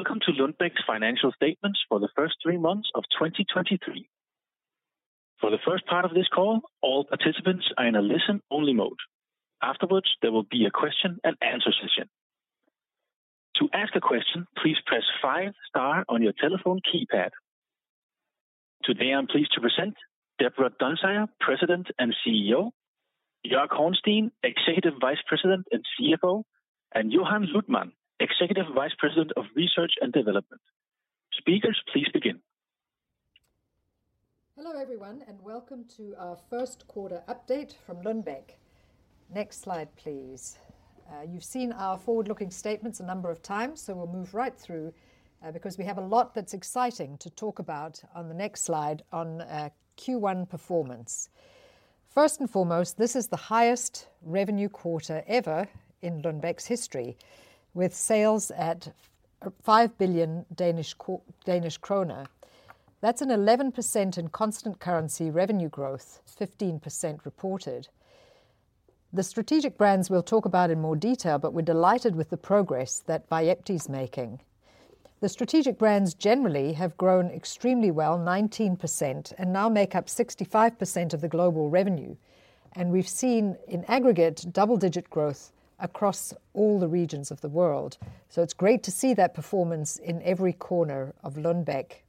Welcome to Lundbeck's financial statements for the first three months of 2023. For the first part of this call, all participants are in a listen-only mode. Afterwards, there will be a question and answer session. To ask a question, please press five star on your telephone keypad. Today, I'm pleased to present Deborah Dunsire, President and CEO, Joerg Hornstein, Executive Vice President and CFO, and Johan Luthman, Executive Vice President of Research and Development. Speakers, please begin. Hello, everyone, welcome to our first quarter update from Lundbeck. Next slide, please. You've seen our forward-looking statements a number of times, we'll move right through because we have a lot that's exciting to talk about on the next slide on Q1 performance. First and foremost, this is the highest revenue quarter ever in Lundbeck's history, with sales at 5 billion Danish kroner. That's an 11% in constant currency revenue growth, 15% reported. The strategic brands we'll talk about in more detail, we're delighted with the progress that VYEPTI is making. The strategic brands generally have grown extremely well, 19%, now make up 65% of the global revenue. We've seen in aggregate double-digit growth across all the regions of the world. It's great to see that performance in every corner of Lundbeck.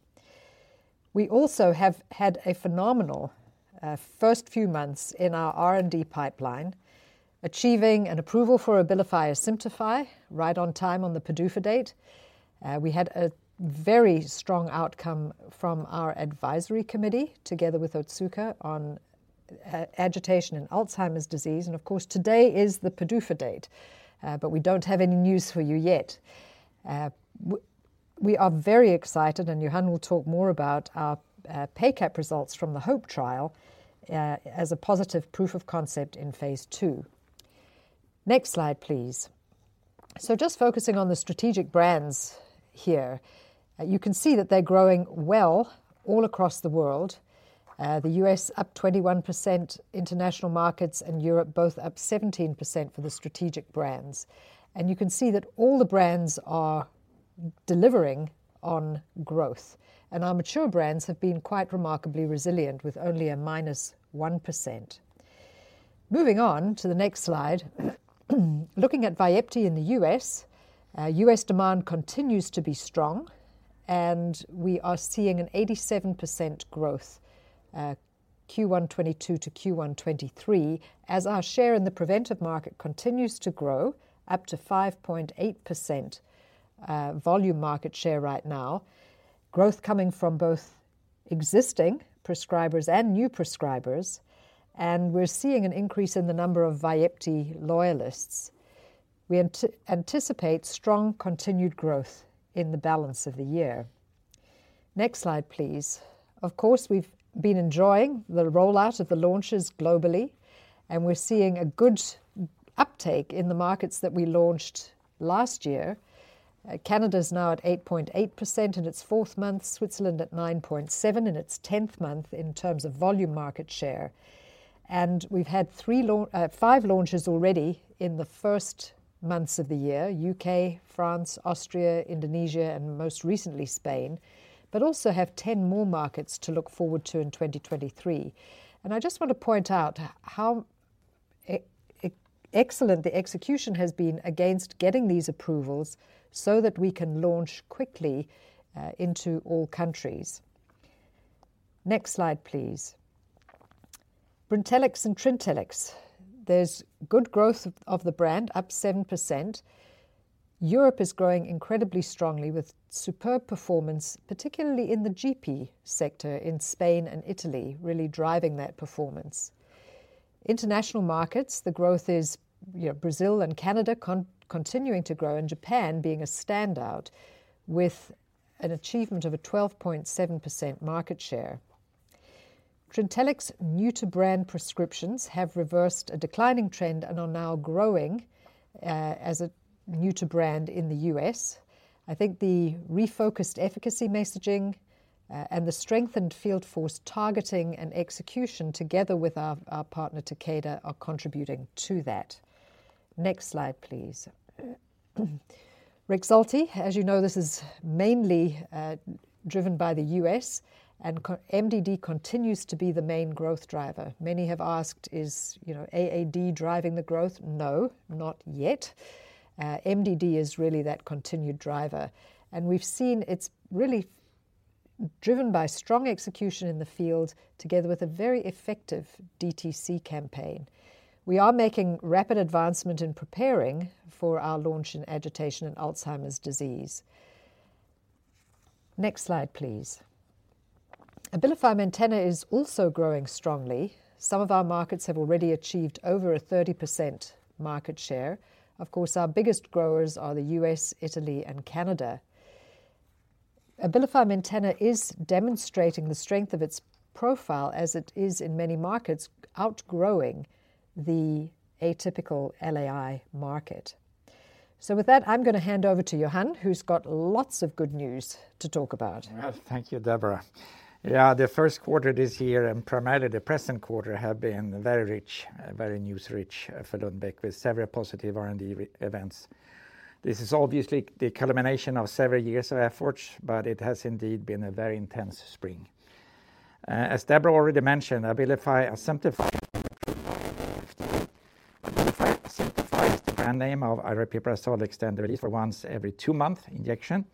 We also have had a phenomenal first few months in our R&D pipeline, achieving an approval for Abilify Asimtufii right on time on the PDUFA date. We had a very strong outcome from our advisory committee together with Otsuka on agitation in Alzheimer's disease. Of course, today is the PDUFA date, but we don't have any news for you yet. We are very excited, Johan will talk more about our PACAP results from the HOPE trial, as a positive proof of concept in Phase II. Next slide, please. Just focusing on the strategic brands here, you can see that they're growing well all across the world. The U.S. up 21%, international markets and Europe both up 17% for the strategic brands. You can see that all the brands are delivering on growth. Our mature brands have been quite remarkably resilient with only a -1%. Moving on to the next slide. Looking at Vyepti in the U.S., U.S. demand continues to be strong, and we are seeing an 87% growth, Q1 2022 to Q1 2023 as our share in the preventive market continues to grow up to 5.8% volume market share right now. Growth coming from both existing prescribers and new prescribers, and we're seeing an increase in the number of Vyepti loyalists. We anticipate strong continued growth in the balance of the year. Next slide, please. Of course, we've been enjoying the rollout of the launches globally, and we're seeing a good uptake in the markets that we launched last year. Canada is now at 8.8% in its 4th month, Switzerland at 9.7% in its 10th month in terms of volume market share. We've had 5 launches already in the first months of the year, U.K., France, Austria, Indonesia, and most recently Spain, also have 10 more markets to look forward to in 2023. I just want to point out how excellent the execution has been against getting these approvals so that we can launch quickly into all countries. Next slide, please. Brintellix and Trintellix. There's good growth of the brand, up 7%. Europe is growing incredibly strongly with superb performance, particularly in the GP sector in Spain and Italy, really driving that performance. International markets, the growth is, you know, Brazil and Canada continuing to grow, and Japan being a standout with an achievement of a 12.7% market share. Trintellix new to brand prescriptions have reversed a declining trend and are now growing as a new to brand in the U.S. I think the refocused efficacy messaging and the strengthened field force targeting and execution together with our partner, Takeda, are contributing to that. Next slide, please. Rexulti, as you know, this is mainly driven by the U.S. and MDD continues to be the main growth driver. Many have asked is, you know, AAD driving the growth? No, not yet. MDD is really that continued driver. We've seen it's really driven by strong execution in the field together with a very effective DTC campaign. We are making rapid advancement in preparing for our launch in agitation in Alzheimer's disease. Next slide, please. Abilify Maintena is also growing strongly. Some of our markets have already achieved over a 30% market share. Of course, our biggest growers are the U.S., Italy, and Canada. Abilify Maintena is demonstrating the strength of its profile as it is in many markets outgrowing the atypical LAI market. With that, I'm going to hand over to Johan, who's got lots of good news to talk about. Well, thank you, Deborah. Yeah, the first quarter this year and primarily the present quarter have been very rich, very news rich, for Lundbeck with several positive R&D events. This is obviously the culmination of several years of efforts, but it has indeed been a very intense spring. As Deborah already mentioned, Abilify Asimtufii. Abilify simplifies the brand name of aripiprazole extended release for once every two-month injection.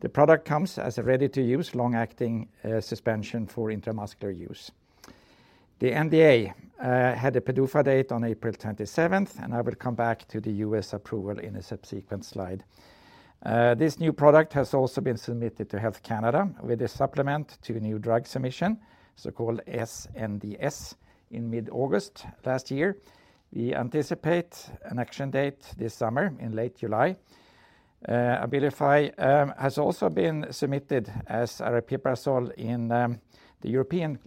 The product comes as a ready-to-use long-acting suspension for intramuscular use. The NDA had a PDUFA date on April 27th, and I will come back to the U.S. approval in a subsequent slide. This new product has also been submitted to Health Canada with a supplement to new drugs submission, so-called SNDS in mid-August 2022. We anticipate an action date this summer in late July. Abilify has also been submitted as aripiprazole in the European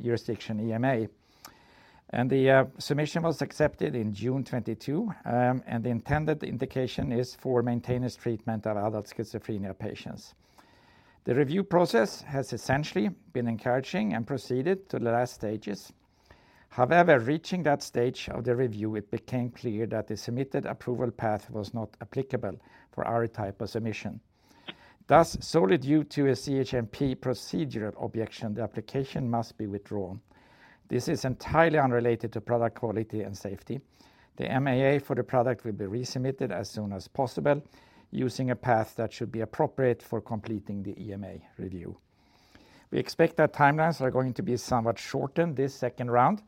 jurisdiction, EMA. The submission was accepted in June 2022, and the intended indication is for maintenance treatment of adult schizophrenia patients. The review process has essentially been encouraging and proceeded to the last stages. However, reaching that stage of the review, it became clear that the submitted approval path was not applicable for our type of submission. Thus, solely due to a CHMP procedural objection, the application must be withdrawn. This is entirely unrelated to product quality and safety. The MAA for the product will be resubmitted as soon as possible using a path that should be appropriate for completing the EMA review. We expect that timelines are going to be somewhat shortened this second round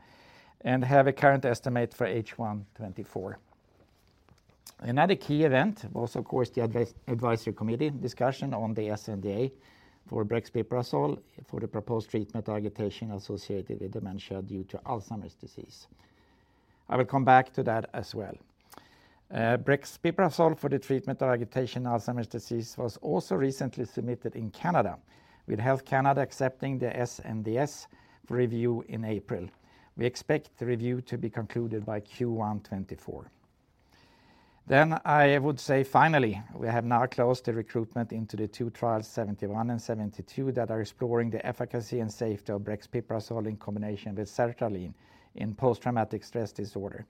and have a current estimate for H1 2024. Another key event was, of course, the advisory committee discussion on the SNDA for brexpiprazole for the proposed treatment agitation associated with dementia due to Alzheimer's disease. I will come back to that as well. brexpiprazole for the treatment of agitation in Alzheimer's disease was also recently submitted in Canada, with Health Canada accepting the SNDS review in April. We expect the review to be concluded by Q1 2024. I would say, finally, we have now closed the recruitment into the 2 trials 71 and 72 that are exploring the efficacy and safety of brexpiprazole in combination with sertraline in post-traumatic stress disorder.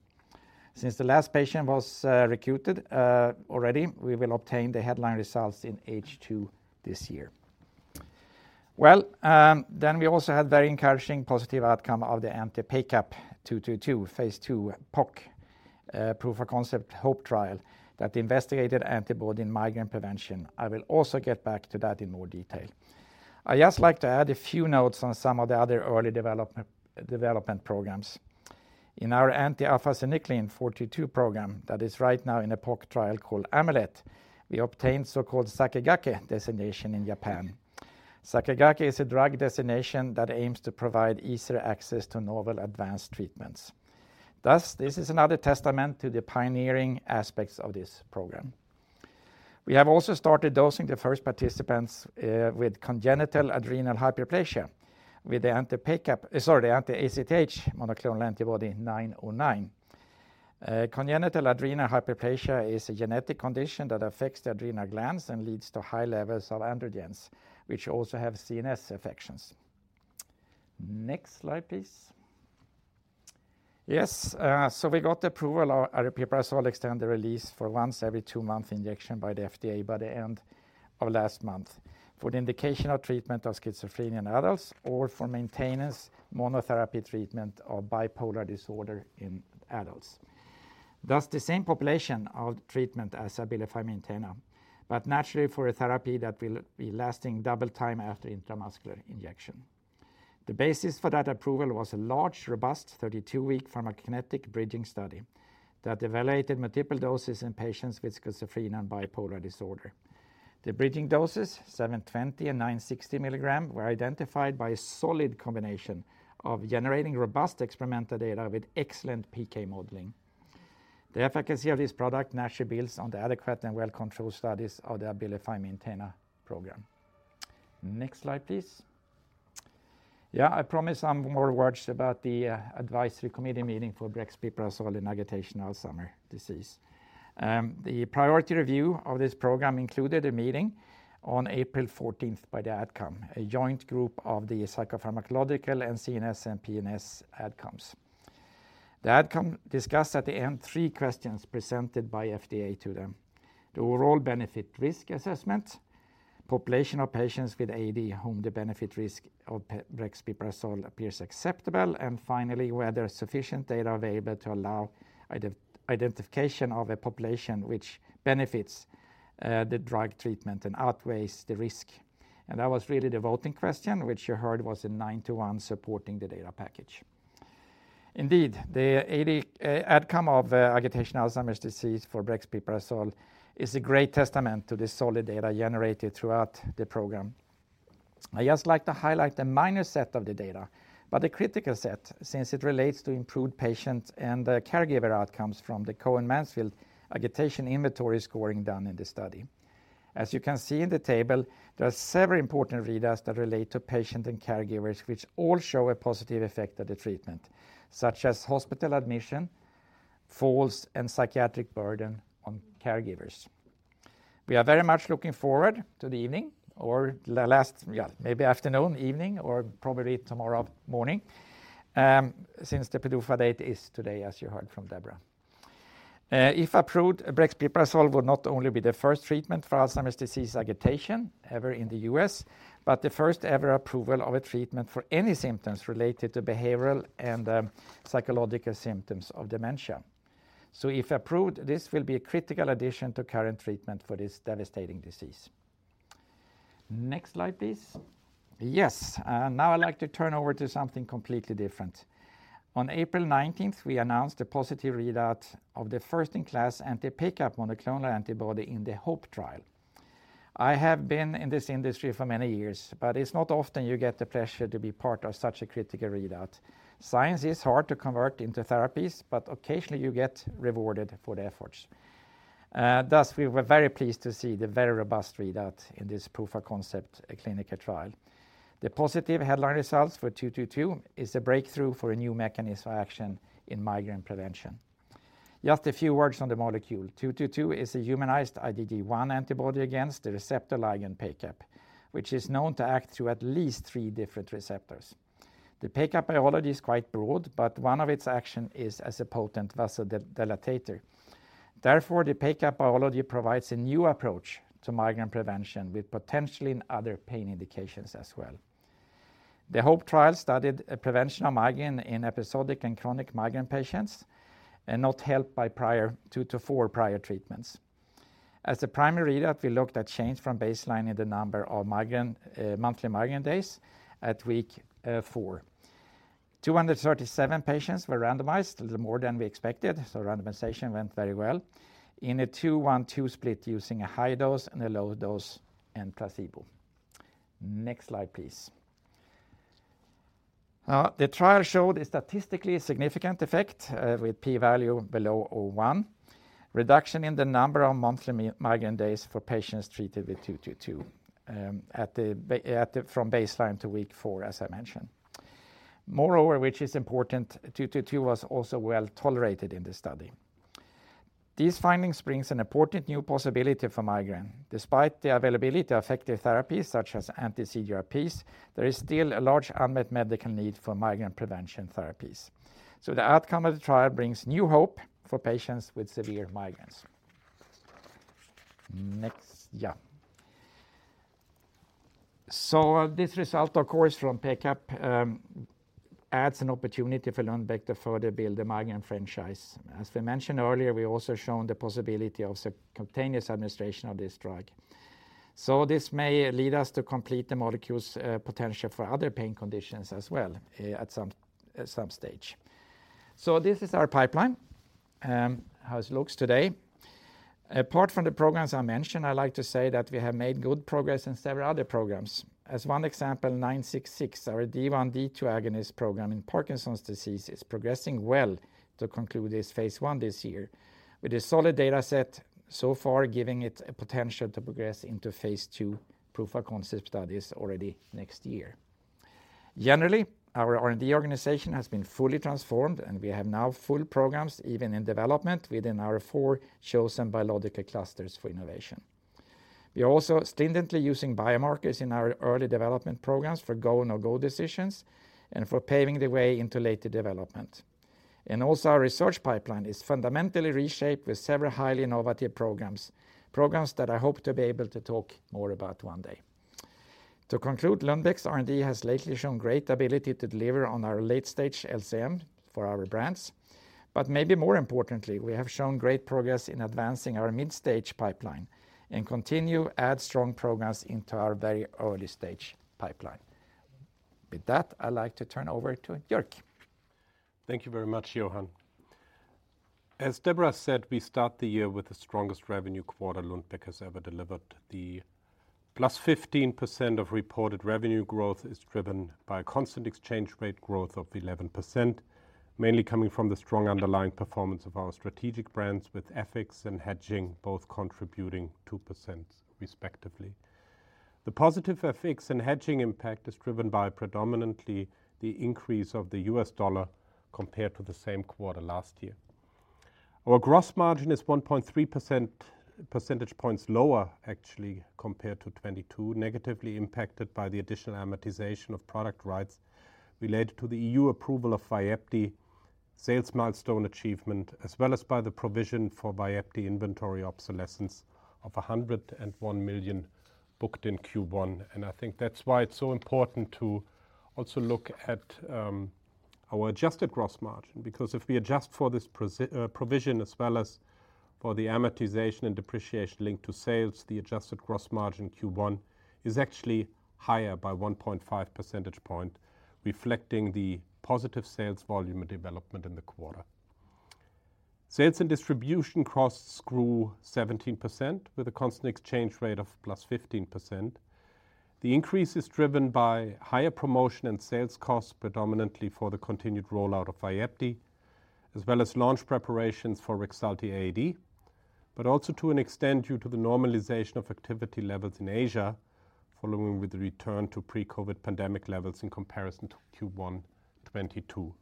Since the last patient was recruited already, we will obtain the headline results in H2 this year. We also had very encouraging positive outcome of the anti-PACAP 222, Phase II PoC, proof of concept, HOPE trial that investigated antibody in migraine prevention. I will also get back to that in more detail. I just like to add a few notes on some of the other early development programs. In our anti-alpha-synuclein 42 program that is right now in a PoC trial called AMULET, we obtained so-called Sakigake designation in Japan. Sakigake is a drug designation that aims to provide easier access to novel advanced treatments. This is another testament to the pioneering aspects of this program. We have also started dosing the first participants with congenital adrenal hyperplasia with the anti-PACAP, sorry, anti-ACTH monoclonal antibody nine oh nine. Congenital adrenal hyperplasia is a genetic condition that affects the adrenal glands and leads to high levels of androgens, which also have CNS affections. Next slide, please. Yes, we got the approval of aripiprazole extended release for once every 2-month injection by the FDA by the end of last month for the indication of treatment of schizophrenia in adults or for maintenance monotherapy treatment of bipolar disorder in adults. The same population of treatment as Abilify Maintena, but naturally for a therapy that will be lasting double time after intramuscular injection. The basis for that approval was a large, robust 32-week pharmacokinetic bridging study that evaluated multiple doses in patients with schizophrenia and bipolar disorder. The bridging doses, 720 and 960 milligram, were identified by a solid combination of generating robust experimental data with excellent PK modeling. The efficacy of this product naturally builds on the adequate and well-controlled studies of the Abilify Maintena program. Next slide, please. I promise some more words about the advisory committee meeting for brexpiprazole in agitation Alzheimer's disease. The priority review of this program included a meeting on April 14 by the outcome, a joint group of the psychopharmacological and CNS and PNS outcomes. The outcome discussed at the end three questions presented by FDA to them. The overall benefit risk assessment, population of patients with AD whom the benefit risk of brexpiprazole appears acceptable, and finally, whether sufficient data available to allow identification of a population which benefits the drug treatment and outweighs the risk. That was really the voting question, which you heard was a 9 to 1 supporting the data package. Indeed, the AD outcome of agitation Alzheimer's disease for brexpiprazole is a great testament to the solid data generated throughout the program. I just like to highlight the minor set of the data, but a critical set since it relates to improved patient and caregiver outcomes from the Cohen-Mansfield Agitation Inventory scoring done in the study. As you can see in the table, there are several important readouts that relate to patient and caregivers which all show a positive effect of the treatment, such as hospital admission, falls, and psychiatric burden on caregivers. We are very much looking forward to the evening or last, yeah, maybe afternoon, evening, or probably tomorrow morning, since the PDUFA date is today, as you heard from Deborah. If approved, brexpiprazole will not only be the first treatment for Alzheimer's disease agitation ever in the U.S., but the first ever approval of a treatment for any symptoms related to behavioral and psychological symptoms of dementia. If approved, this will be a critical addition to current treatment for this devastating disease. Next slide, please. Now I'd like to turn over to something completely different. On April 19th, we announced a positive readout of the first-in-class anti-PACAP monoclonal antibody in the HOPE trial. I have been in this industry for many years, but it's not often you get the pleasure to be part of such a critical readout. Science is hard to convert into therapies, but occasionally you get rewarded for the efforts. We were very pleased to see the very robust readout in this proof-of-concept clinical trial. The positive headline results for 222 is a breakthrough for a new mechanism of action in migraine prevention. Just a few words on the molecule. 222 is a humanized IgG1 antibody against the receptor ligand PACAP, which is known to act through at least 3 different receptors. The PACAP biology is quite broad, but one of its action is as a potent vasodilator. The PACAP biology provides a new approach to migraine prevention with potentially in other pain indications as well. The HOPE trial studied a prevention of migraine in episodic and chronic migraine patients and not helped by prior 2-4 prior treatments. As a primary readout, we looked at change from baseline in the number of migraine monthly migraine days at week 4. 237 patients were randomized, a little more than we expected, randomization went very well, in a 2-1-2 split using a high dose and a low dose and placebo. Next slide, please. The trial showed a statistically significant effect with p-value below 0.01, reduction in the number of monthly migraine days for patients treated with 222 at the from baseline to week 4, as I mentioned. Moreover, which is important, two-two-two was also well-tolerated in this study. These findings brings an important new possibility for migraine. Despite the availability of effective therapies such as anti-CGRPs, there is still a large unmet medical need for migraine prevention therapies. The outcome of the trial brings new hope for patients with severe migraines. Next. Yeah. This result, of course, from PACAP, adds an opportunity for Lundbeck to further build the migraine franchise. As we mentioned earlier, we also shown the possibility of subcutaneous administration of this drug. This may lead us to complete the molecule's potential for other pain conditions as well, at some stage. This is our pipeline, how it looks today. Apart from the programs I mentioned, I like to say that we have made good progress in several other programs. As one example, 966, our D1/D2 agonist program in Parkinson's disease, is progressing well to conclude its Phase I this year, with a solid data set so far giving it a potential to progress into Phase II proof-of-concept studies already next year. Generally, our R&D organization has been fully transformed, we have now full programs, even in development, within our four chosen biological clusters for innovation. We are also diligently using biomarkers in our early development programs for go/no-go decisions and for paving the way into later development. Also our research pipeline is fundamentally reshaped with several highly innovative programs that I hope to be able to talk more about one day. To conclude, Lundbeck's R&D has lately shown great ability to deliver on our late-stage LCM for our brands. Maybe more importantly, we have shown great progress in advancing our mid-stage pipeline and continue add strong programs into our very early stage pipeline. With that, I'd like to turn over to Jørg. Thank you very much, Johan. As Deborah said, we start the year with the strongest revenue quarter Lundbeck has ever delivered. The +15% of reported revenue growth is driven by a constant exchange rate growth of 11%, mainly coming from the strong underlying performance of our strategic brands, with FX and hedging both contributing 2% respectively. The positive FX and hedging impact is driven by predominantly the increase of the U.S dollar compared to the same quarter last year. Our gross margin is 1.3%, percentage points lower actually compared to 2022, negatively impacted by the additional amortization of product rights related to the EU approval of Vyepti, sales milestone achievement, as well as by the provision for Vyepti inventory obsolescence of 101 million booked in Q1. I think that's why it's so important to also look at our adjusted gross margin, because if we adjust for this provision as well as for the amortization and depreciation linked to sales, the adjusted gross margin Q1 is actually higher by 1.5 percentage points, reflecting the positive sales volume and development in the quarter. Sales and distribution costs grew 17% with a constant exchange rate of +15%. The increase is driven by higher promotion and sales costs, predominantly for the continued rollout of Vyepti, as well as launch preparations for Rexulti AD, but also to an extent due to the normalization of activity levels in Asia following with the return to pre-COVID pandemic levels in comparison to Q1 2022.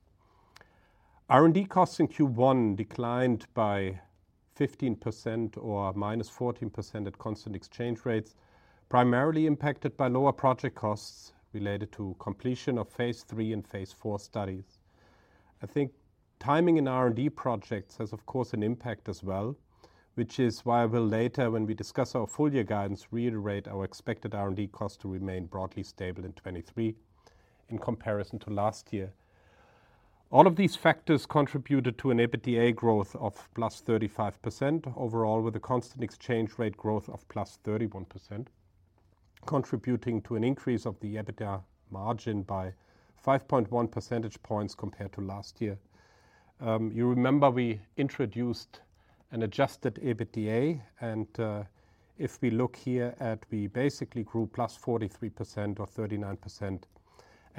R&D costs in Q1 declined by 15% or -14% at constant exchange rates. Primarily impacted by lower project costs related to completion of Phase III and Phase IV studies. I think timing in R&D projects has of course an impact as well, which is why I will later when we discuss our full year guidance, reiterate our expected R&D cost to remain broadly stable in 2023 in comparison to last year. All of these factors contributed to an EBITDA growth of +35% overall, with a constant exchange rate growth of +31%, contributing to an increase of the EBITDA margin by 5.1 percentage points compared to last year. You remember we introduced an adjusted EBITDA, and if we look here at we basically grew +43% or 39%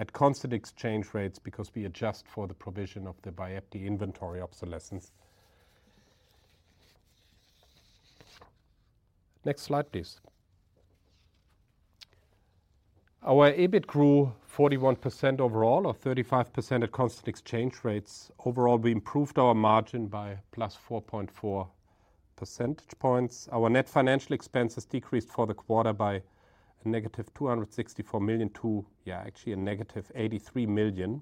at constant exchange rates because we adjust for the provision of the Vyepti inventory obsolescence. Next slide, please. Our EBIT grew 41% overall or 35% at constant exchange rates. Overall, we improved our margin by +4.4 percentage points. Our net financial expenses decreased for the quarter by a -264 million to actually a -83 million.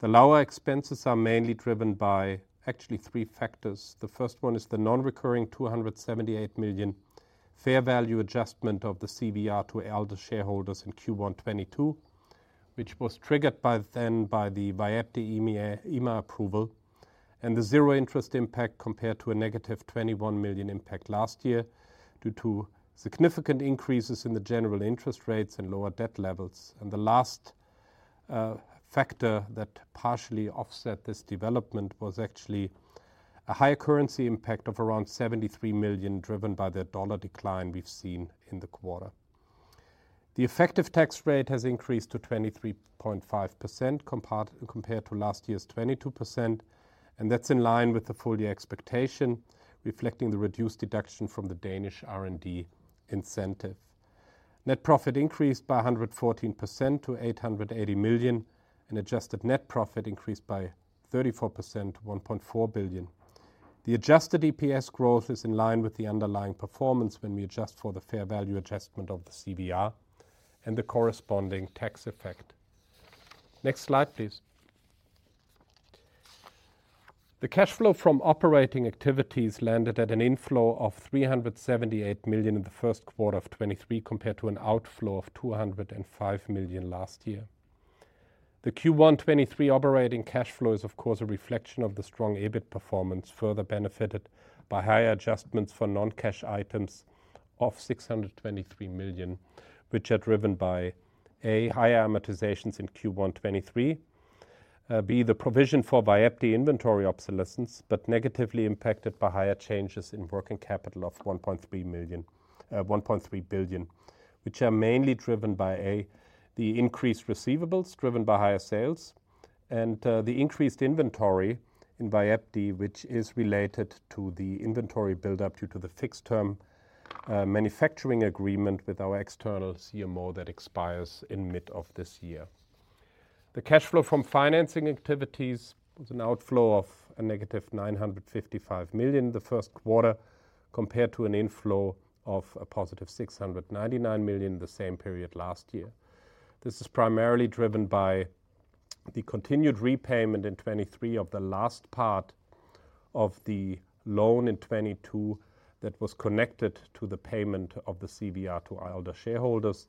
The lower expenses are mainly driven by actually three factors. The first one is the non-recurring 278 million fair value adjustment of the CVR to Alder shareholders in Q1 2022, which was triggered by then by the Vyepti EMA approval and the 0 interest impact compared to a -21 million impact last year due to significant increases in the general interest rates and lower debt levels. The last factor that partially offset this development was actually a higher currency impact of around 73 million, driven by the dollar decline we've seen in the quarter. The effective tax rate has increased to 23.5% compared to last year's 22%, and that's in line with the full year expectation, reflecting the reduced deduction from the Danish R&D incentive. Net profit increased by 114% to 880 million. Adjusted net profit increased by 34% to 1.4 billion. The adjusted EPS growth is in line with the underlying performance when we adjust for the fair value adjustment of the CVR and the corresponding tax effect. Next slide, please. The cash flow from operating activities landed at an inflow of 378 million in the first quarter of 2023, compared to an outflow of 205 million last year. The Q1 2023 operating cash flow is of course a reflection of the strong EBIT performance, further benefited by higher adjustments for non-cash items of 623 million, which are driven by, A, higher amortizations in Q1 2023. B, the provision for Vyepti inventory obsolescence, but negatively impacted by higher changes in working capital of 1.3 billion, which are mainly driven by, A, the increased receivables driven by higher sales and the increased inventory in Vyepti, which is related to the inventory build-up due to the fixed term manufacturing agreement with our external CMO that expires in mid of this year. The cash flow from financing activities was an outflow of a -955 million in the first quarter, compared to an inflow of a +699 million the same period last year. This is primarily driven by the continued repayment in 2023 of the last part of the loan in 2022 that was connected to the payment of the CVR to our Alder shareholders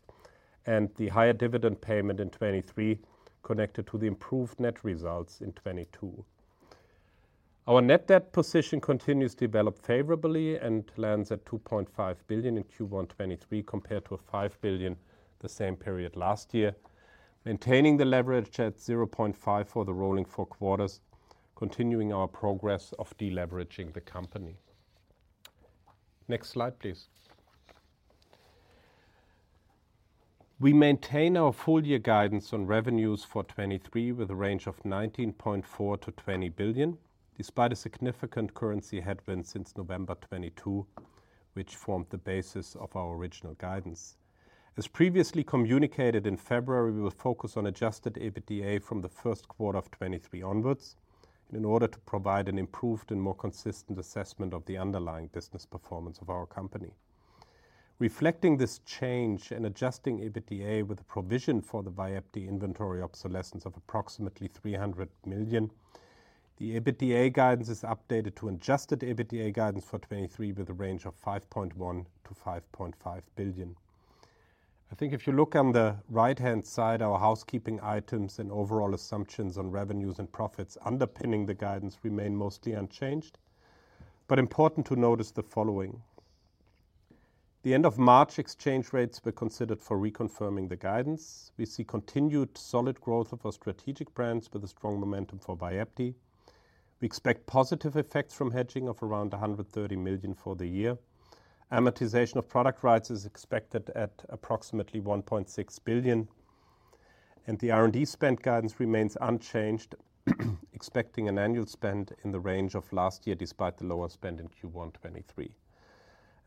and the higher dividend payment in 2023 connected to the improved net results in 2022. Our net debt position continues to develop favorably and lands at 2.5 billion in Q1 2023 compared to 5 billion the same period last year. Maintaining the leverage at 0.5 for the rolling four quarters, continuing our progress of deleveraging the company. Next slide, please. We maintain our full year guidance on revenues for 2023 with a range of 19.4 billion-20 billion, despite a significant currency headwind since November 2022, which formed the basis of our original guidance. As previously communicated in February, we will focus on adjusted EBITDA from the first quarter of 2023 onwards and in order to provide an improved and more consistent assessment of the underlying business performance of our company. Reflecting this change and adjusting EBITDA with the provision for the Vyepti inventory obsolescence of approximately 300 million, the EBITDA guidance is updated to adjusted EBITDA guidance for 2023 with a range of 5.1 billion-5.5 billion. I think if you look on the right-hand side, our housekeeping items and overall assumptions on revenues and profits underpinning the guidance remain mostly unchanged, but important to note is the following. The end of March exchange rates were considered for reconfirming the guidance. We see continued solid growth of our strategic brands with a strong momentum for Vyepti. We expect positive effects from hedging of around 130 million for the year. Amortization of product rights is expected at approximately 1.6 billion. The R&D spend guidance remains unchanged, expecting an annual spend in the range of last year despite the lower spend in Q1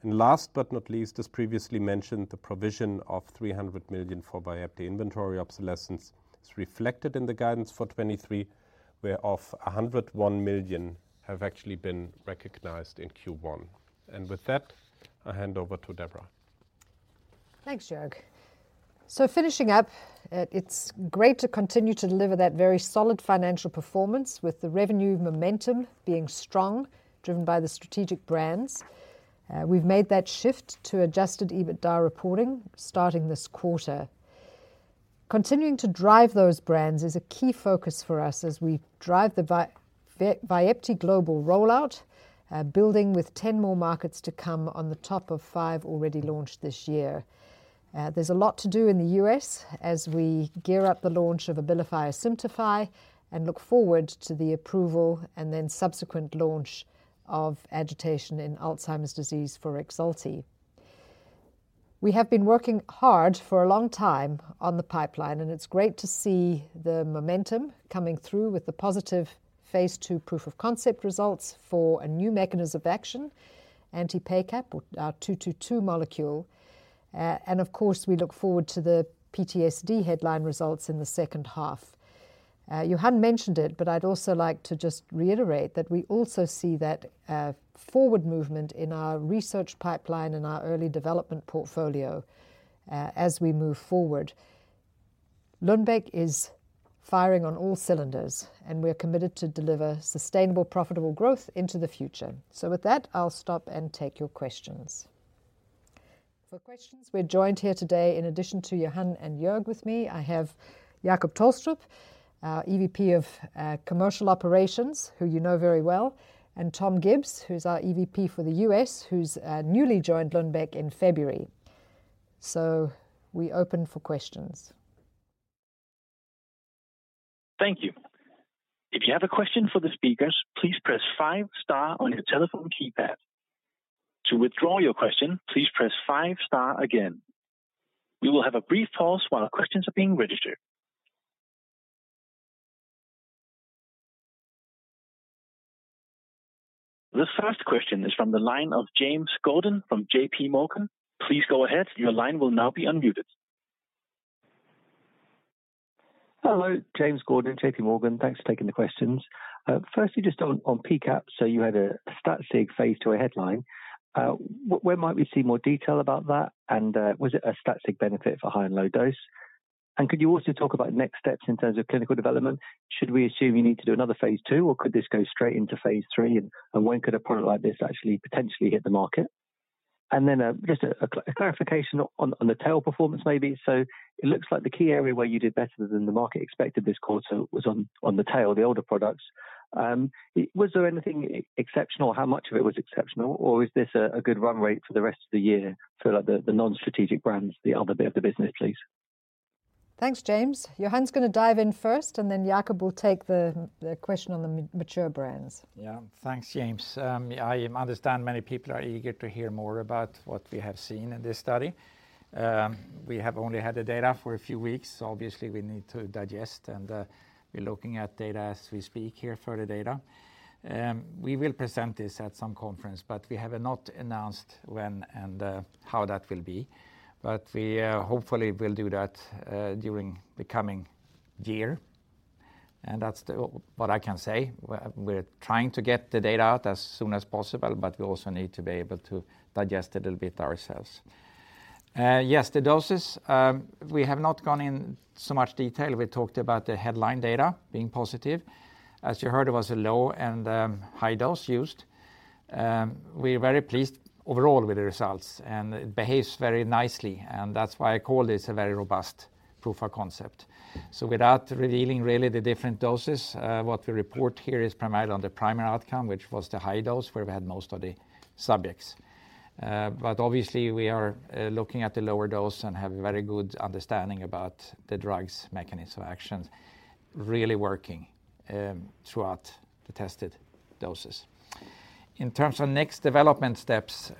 2023. Last but not least, as previously mentioned, the provision of 300 million for Vyepti inventory obsolescence is reflected in the guidance for 2023. Whereof 101 million have actually been recognized in Q1. With that, I hand over to Deborah. Thanks, Jørg. Finishing up, it's great to continue to deliver that very solid financial performance with the revenue momentum being strong, driven by the strategic brands. We've made that shift to adjusted EBITDA reporting starting this quarter. Continuing to drive those brands is a key focus for us as we drive the Vyepti global rollout, building with 10 more markets to come on the top of five already launched this year. There's a lot to do in the U.S. as we gear up the launch of Abilify Asimtufii and look forward to the approval and then subsequent launch of agitation in Alzheimer's disease for Rexulti. We have been working hard for a long time on the pipeline, and it's great to see the momentum coming through with the positive phase II proof of concept results for a new mechanism of action, anti-PACAP, our 222 molecule. And of course, we look forward to the PTSD headline results in the second half. Johan mentioned it, but I'd also like to just reiterate that we also see that forward movement in our research pipeline and our early development portfolio as we move forward. Lundbeck is firing on all cylinders, and we're committed to deliver sustainable, profitable growth into the future. With that, I'll stop and take your questions. For questions, we're joined here today, in addition to Johan and Jørg with me, I have Jakob Tolstrup, our EVP of Commercial Operations, who you know very well, and Tom Gibbs, who's our EVP for the U.S., who's newly joined Lundbeck in February. We open for questions. Thank you. If you have a question for the speakers, please press five star on your telephone keypad. To withdraw your question, please press five star again. We will have a brief pause while questions are being registered. The first question is from the line of James Gordon from JPMorgan. Please go ahead. Your line will now be unmuted. Hello, James Gordon, JPMorgan. Thanks for taking the questions. firstly, just on PACAP, you had a stat sig phase IIa headline. where might we see more detail about that? was it a stat sig benefit for high and low dose? could you also talk about next steps in terms of clinical development? Should we assume you need to do another phase II, or could this go straight into phase III? when could a product like this actually potentially hit the market? just a clarification on the tail performance maybe. it looks like the key area where you did better than the market expected this quarter was on the tail, the older products. Was there anything exceptional? How much of it was exceptional? Is this a good run rate for the rest of the year for like the non-strategic brands, the other bit of the business, please? Thanks, James. Johan is going to dive in first, and then Jakob will take the question on the mature brands. Thanks, James. I understand many people are eager to hear more about what we have seen in this study. We have only had the data for a few weeks. Obviously, we need to digest, and we're looking at data as we speak here for the data. We will present this at some conference, but we have not announced when and how that will be. We hopefully will do that during the coming year. That's the what I can say. We're trying to get the data out as soon as possible, but we also need to be able to digest a little bit ourselves. Yes, the doses, we have not gone in so much detail. We talked about the headline data being positive. As you heard, it was a low and high dose used. We're very pleased overall with the results. It behaves very nicely. That's why I call this a very robust proof of concept. Without revealing really the different doses, what we report here is primarily on the primary outcome, which was the high dose, where we had most of the subjects. Obviously, we are looking at the lower dose and have a very good understanding about the drug's mechanism of action really working throughout the tested doses. In terms of next development steps,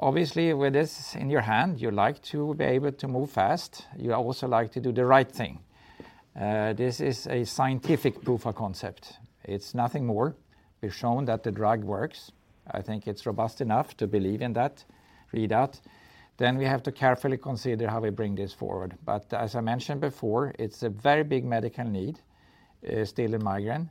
obviously with this in your hand, you like to be able to move fast. You also like to do the right thing. This is a scientific proof of concept. It's nothing more. We've shown that the drug works. I think it's robust enough to believe in that readout. We have to carefully consider how we bring this forward. As I mentioned before, it's a very big medical need still in migraine.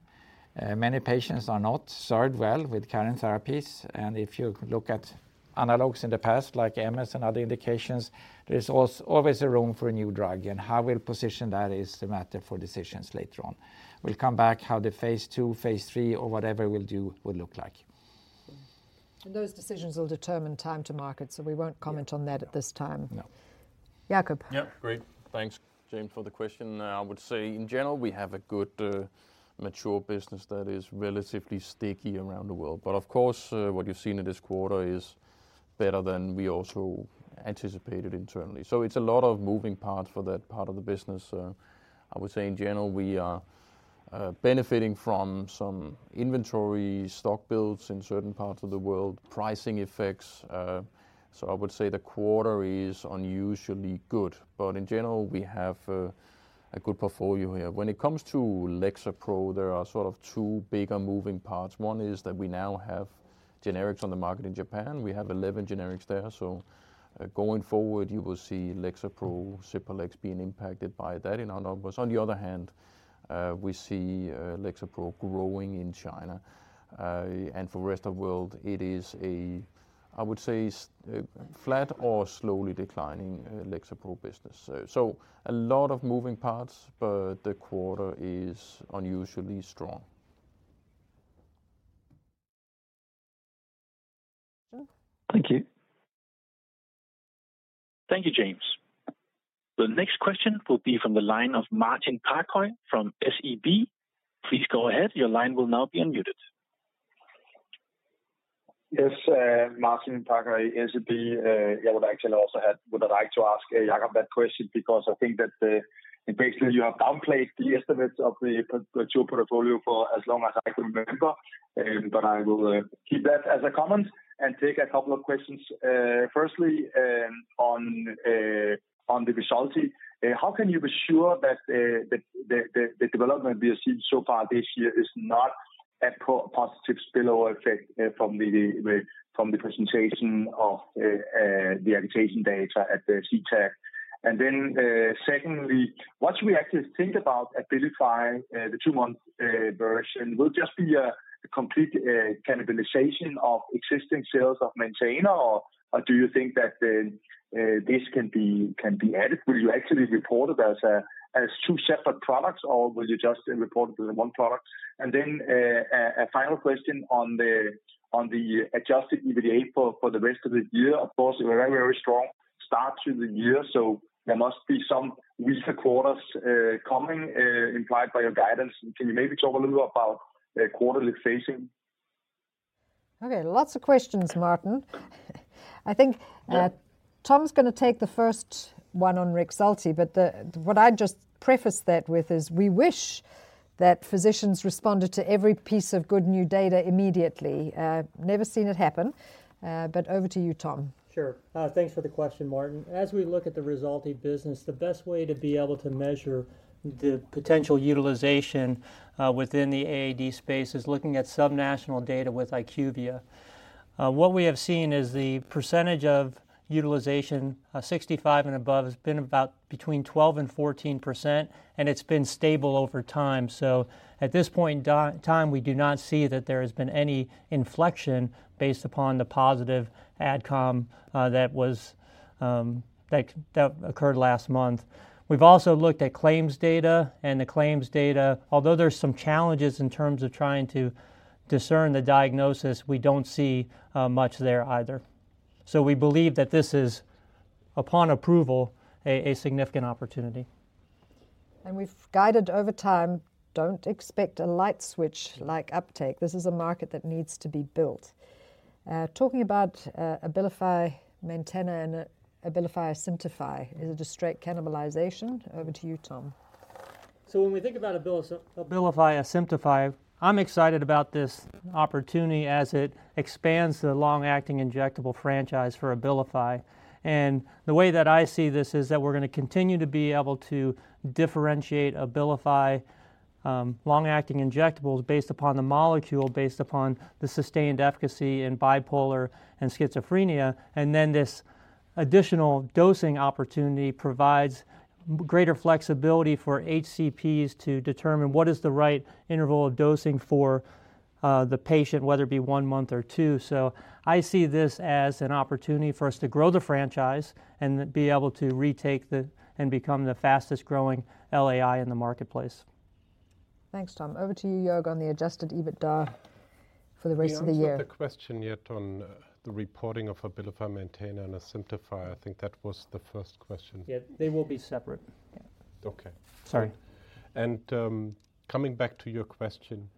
Many patients are not served well with current therapies. If you look at analogs in the past, like MS and other indications, there's always a room for a new drug. How we'll position that is the matter for decisions later on. We'll come back how the phase II, Phase III or whatever we'll do will look like. Those decisions will determine time to market, so we won't comment on that at this time. No. Jakob. Great. Thanks, James, for the question. I would say in general, we have a good mature business that is relatively sticky around the world. Of course, what you've seen in this quarter is better than we also anticipated internally. It's a lot of moving parts for that part of the business. I would say in general, we are benefiting from some inventory stock builds in certain parts of the world, pricing effects. I would say the quarter is unusually good. In general, we have a good portfolio here. When it comes to Lexapro, there are sort of two bigger moving parts. One is that we now have generics on the market in Japan. We have 11 generics there. Going forward, you will see Lexapro, Cipralex being impacted by that in our numbers. On the other hand, we see Lexapro growing in China. For rest of world, it is a. I would say is flat or slowly declining Lexapro business. A lot of moving parts, but the quarter is unusually strong. Thank you. Thank you, James. The next question will be from the line of Martin Parkhøi from SEB. Please go ahead. Your line will now be unmuted. Yes, Martin Parkhøi, SEB. I would actually also would like to ask Jørg that question because I think that, basically you have downplayed the estimates of the portfolio for as long as I can remember, but I will keep that as a comment and take a couple of questions. Firstly, on the Rexulti. How can you be sure that the development we have seen so far this year is not a positive spillover effect from the presentation of the agitation data at the CTAD? Secondly, what should we actually think about Abilify, the 2-month version? Will it just be a complete cannibalization of existing sales of Maintena or do you think that this can be added? Will you actually report it as two separate products or will you just report it as one product? A final question on the adjusted EBITDA for the rest of the year. Of course, a very, very strong start to the year, so there must be some weaker quarters coming implied by your guidance. Can you maybe talk a little about quarterly phasing? Okay. Lots of questions, Martin. I think, Tom's gonna take the first one on Rexulti, but what I'd just preface that with is we wish that physicians responded to every piece of good new data immediately. Never seen it happen. Over to you, Tom. Sure. Thanks for the question, Martin. As we look at the Rexulti business, the best way to be able to measure the potential utilization within the AAD space is looking at sub-national data with IQVIA. What we have seen is the percentage of utilization, 65 and above has been about between 12% and 14%, and it's been stable over time. At this point in time, we do not see that there has been any inflection based upon the positive ad com that occurred last month. We've also looked at claims data, and the claims data, although there's some challenges in terms of trying to discern the diagnosis, we don't see much there either. We believe that this is, upon approval, a significant opportunity. We've guided over time, don't expect a light switch-like uptake. This is a market that needs to be built. talking about, Abilify Maintena and Abilify Asimtufii is a straight cannibalization. Over to you, Tom. When we think about Abilify Asimtufii, I'm excited about this opportunity as it expands the long-acting injectable franchise for Abilify. The way that I see this is that we're gonna continue to be able to differentiate Abilify long-acting injectables based upon the molecule, based upon the sustained efficacy in bipolar and schizophrenia. This additional dosing opportunity provides greater flexibility for HCPs to determine what is the right interval of dosing for the patient, whether it be one month or two. I see this as an opportunity for us to grow the franchise and be able to retake and become the fastest-growing LAI in the marketplace. Thanks, Tom. Over to you, Jørg, on the adjusted EBITDA for the rest of the year. We answered the question yet on the reporting of Abilify Maintena and Abilify Asimtufii. I think that was the first question. Yeah. They will be separate. Yeah. Okay. Sorry. Coming back to your question,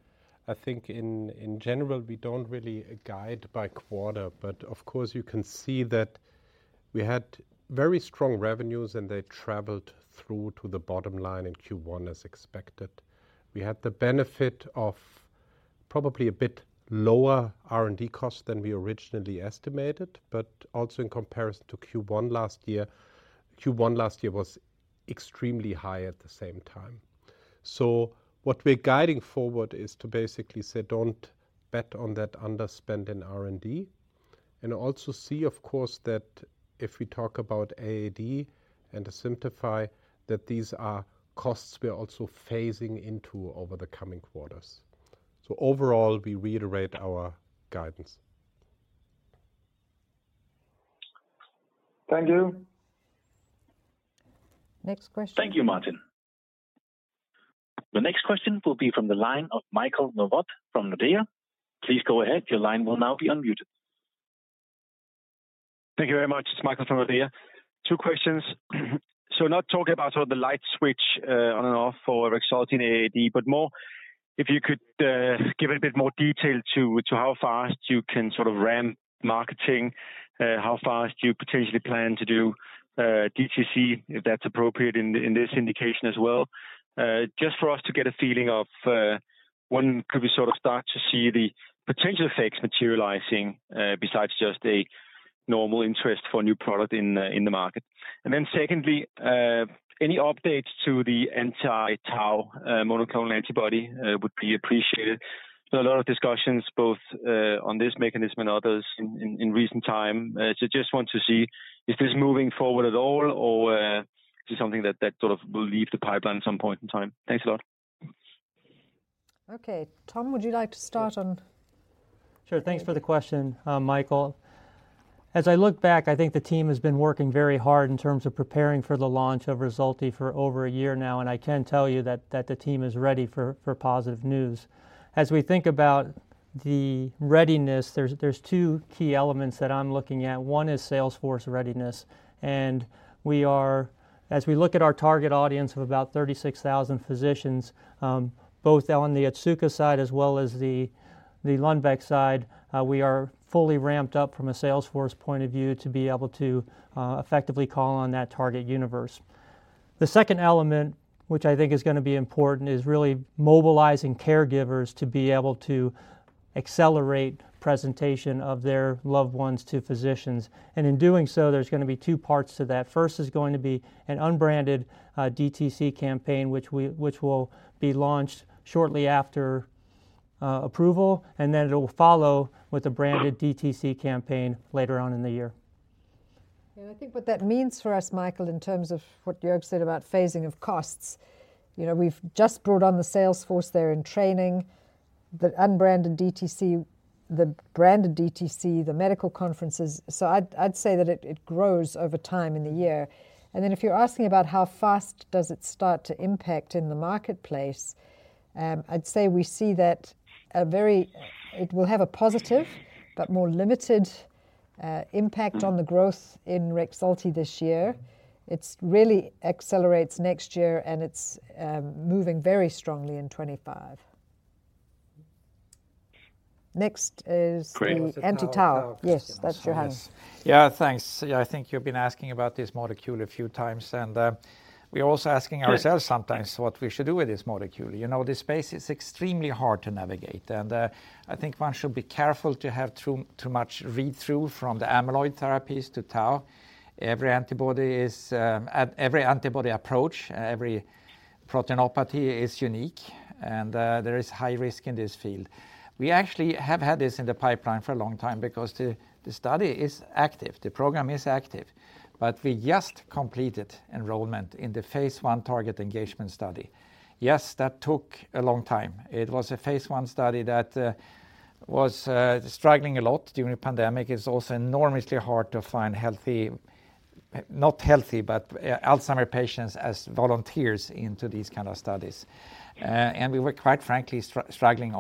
I think in general, we don't really guide by quarter, but of course, you can see that we had very strong revenues, and they traveled through to the bottom line in Q1 as expected. We had the benefit of probably a bit lower R&D cost than we originally estimated, but also in comparison to Q1 last year, Q1 last year was extremely high at the same time. What we're guiding forward is to basically say, "Don't bet on that underspend in R&D." Also see, of course, that if we talk about AAD and Asimtufii, that these are costs we are also phasing into over the coming quarters. Overall, we reiterate our guidance. Thank you. Next question. Thank you, Martin. The next question will be from the line of Michael Novod from Nordea. Please go ahead. Your line will now be unmuted. Thank you very much. It's Michael from Nordea. Two questions. Not talking about sort of the light switch, on and off for Rexulti and AAD, but more if you could give a bit more detail to how fast you can sort of ramp marketing, how fast you potentially plan to do DTC, if that's appropriate in this indication as well. Just for us to get a feeling of when could we sort of start to see the potential effects materializing, besides just a normal interest for a new product in the market. Secondly, any updates to the anti-tau monoclonal antibody would be appreciated. A lot of discussions both on this mechanism and others in recent time. Just want to see is this moving forward at all or is this something that sort of will leave the pipeline at some point in time? Thanks a lot. Okay. Tom, would you like to start? Sure. Thanks for the question, Michael. As I look back, I think the team has been working very hard in terms of preparing for the launch of Rexulti for over a year now, and I can tell you that the team is ready for positive news. As we think about the readiness, there's two key elements that I'm looking at. One is sales force readiness, as we look at our target audience of about 36,000 physicians, both on the Otsuka side as well as the Lundbeck side, we are fully ramped up from a sales force point of view to be able to effectively call on that target universe. The second element, which I think is gonna be important, is really mobilizing caregivers to be able to accelerate presentation of their loved ones to physicians. In doing so, there's gonna be two parts to that. First is going to be an unbranded DTC campaign, which will be launched shortly after approval, and then it'll follow with a branded DTC campaign later on in the year. Yeah. I think what that means for us, Michael, in terms of what Jørg said about phasing of costs, you know, we've just brought on the sales force. They're in training. The unbranded DTC, the branded DTC, the medical conferences. I'd say that it grows over time in the year. If you're asking about how fast does it start to impact in the marketplace, I'd say we see that it will have a positive but more limited impact on the growth in Rexulti this year. It's really accelerates next year, and it's moving very strongly in 25. Next is the anti-tau. Yes, that's Johan. Yeah. Thanks. Yeah, I think you've been asking about this molecule a few times. We're also asking ourselves sometimes what we should do with this molecule. You know, this space is extremely hard to navigate. I think one should be careful to have too much read-through from the amyloid therapies to tau. Every antibody approach, every proteinopathy is unique. There is high risk in this field. We actually have had this in the pipeline for a long time because the study is active. The program is active. We just completed enrollment in the Phase I target engagement study. Yes, that took a long time. It was a Phase I study that was struggling a lot during the pandemic. It's also enormously hard to find healthy... not healthy, but, Alzheimer's patients as volunteers into these kind of studies. We were quite frankly struggling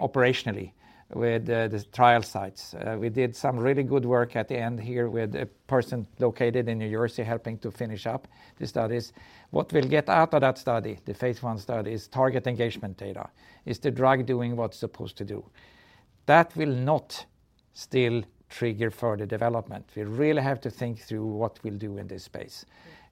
operationally with the trial sites. We did some really good work at the end here with a person located in New Jersey helping to finish up the studies. What we'll get out of that study, the Phase I study, is target engagement data. Is the drug doing what it's supposed to do? That will not still trigger further development. We really have to think through what we'll do in this space.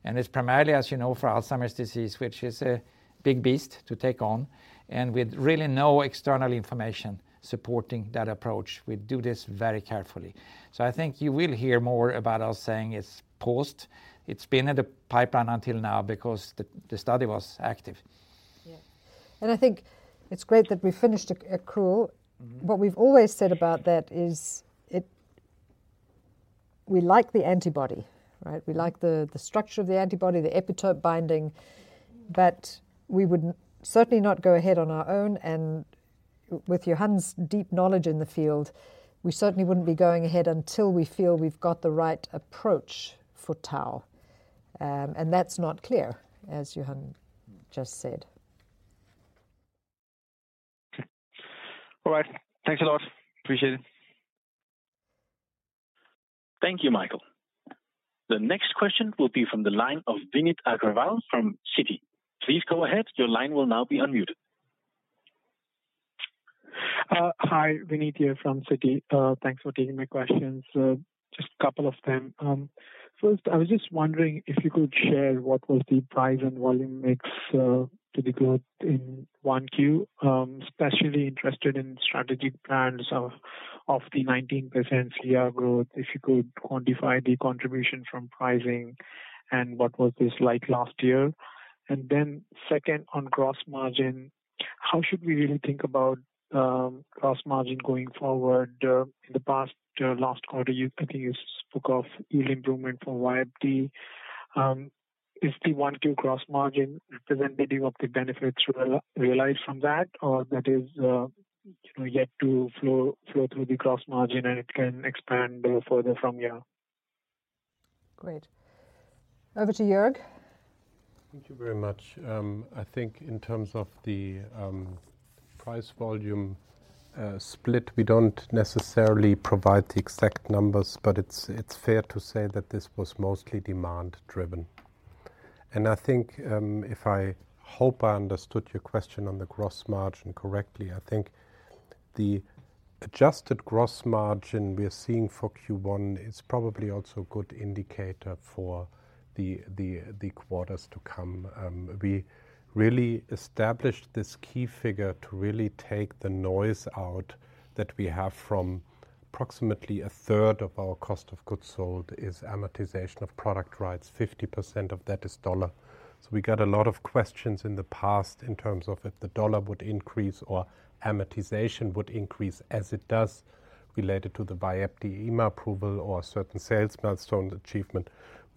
It's primarily, as you know, for Alzheimer's disease, which is a big beast to take on, and with really no external information supporting that approach. We do this very carefully. I think you will hear more about us saying it's paused. It's been in the pipeline until now because the study was active. Yeah. I think it's great that we finished accrual. Mm-hmm. What we've always said about that is we like the antibody, right? We like the structure of the antibody, the epitope binding, but we would certainly not go ahead on our own. With Johan's deep knowledge in the field, we certainly wouldn't be going ahead until we feel we've got the right approach for tau. That's not clear, as Johan just said. All right. Thanks a lot. Appreciate it. Thank you, Michael. The next question will be from the line of Vinit Aggarwal from Citi. Please go ahead. Your line will now be unmuted. Hi. Vinit here from Citi. Thanks for taking my questions. Just a couple of them. First, I was just wondering if you could share what was the price and volume mix to the growth in 1Q. Especially interested in strategic plans of the 19% year growth. If you could quantify the contribution from pricing and what was this like last year. Second, on gross margin, how should we really think about gross margin going forward? In the past, last quarter, I think you spoke of yield improvement from Vyepti. Is the 1Q gross margin representative of the benefits realized from that or that is, you know, yet to flow through the gross margin and it can expand further from here? Great. Over to Jørg. Thank you very much. I think in terms of the price volume split, we don't necessarily provide the exact numbers, but it's fair to say that this was mostly demand driven. I think, if I hope I understood your question on the gross margin correctly, I think the adjusted gross margin we're seeing for Q1 is probably also a good indicator for the quarters to come. We really established this key figure to really take the noise out that we have from approximately a third of our cost of goods sold is amortization of product rights. 50% of that is US dollar. We got a lot of questions in the past in terms of if the U.S. dollar would increase or amortization would increase as it does related to the Vyepti EMA approval or certain sales milestone achievement.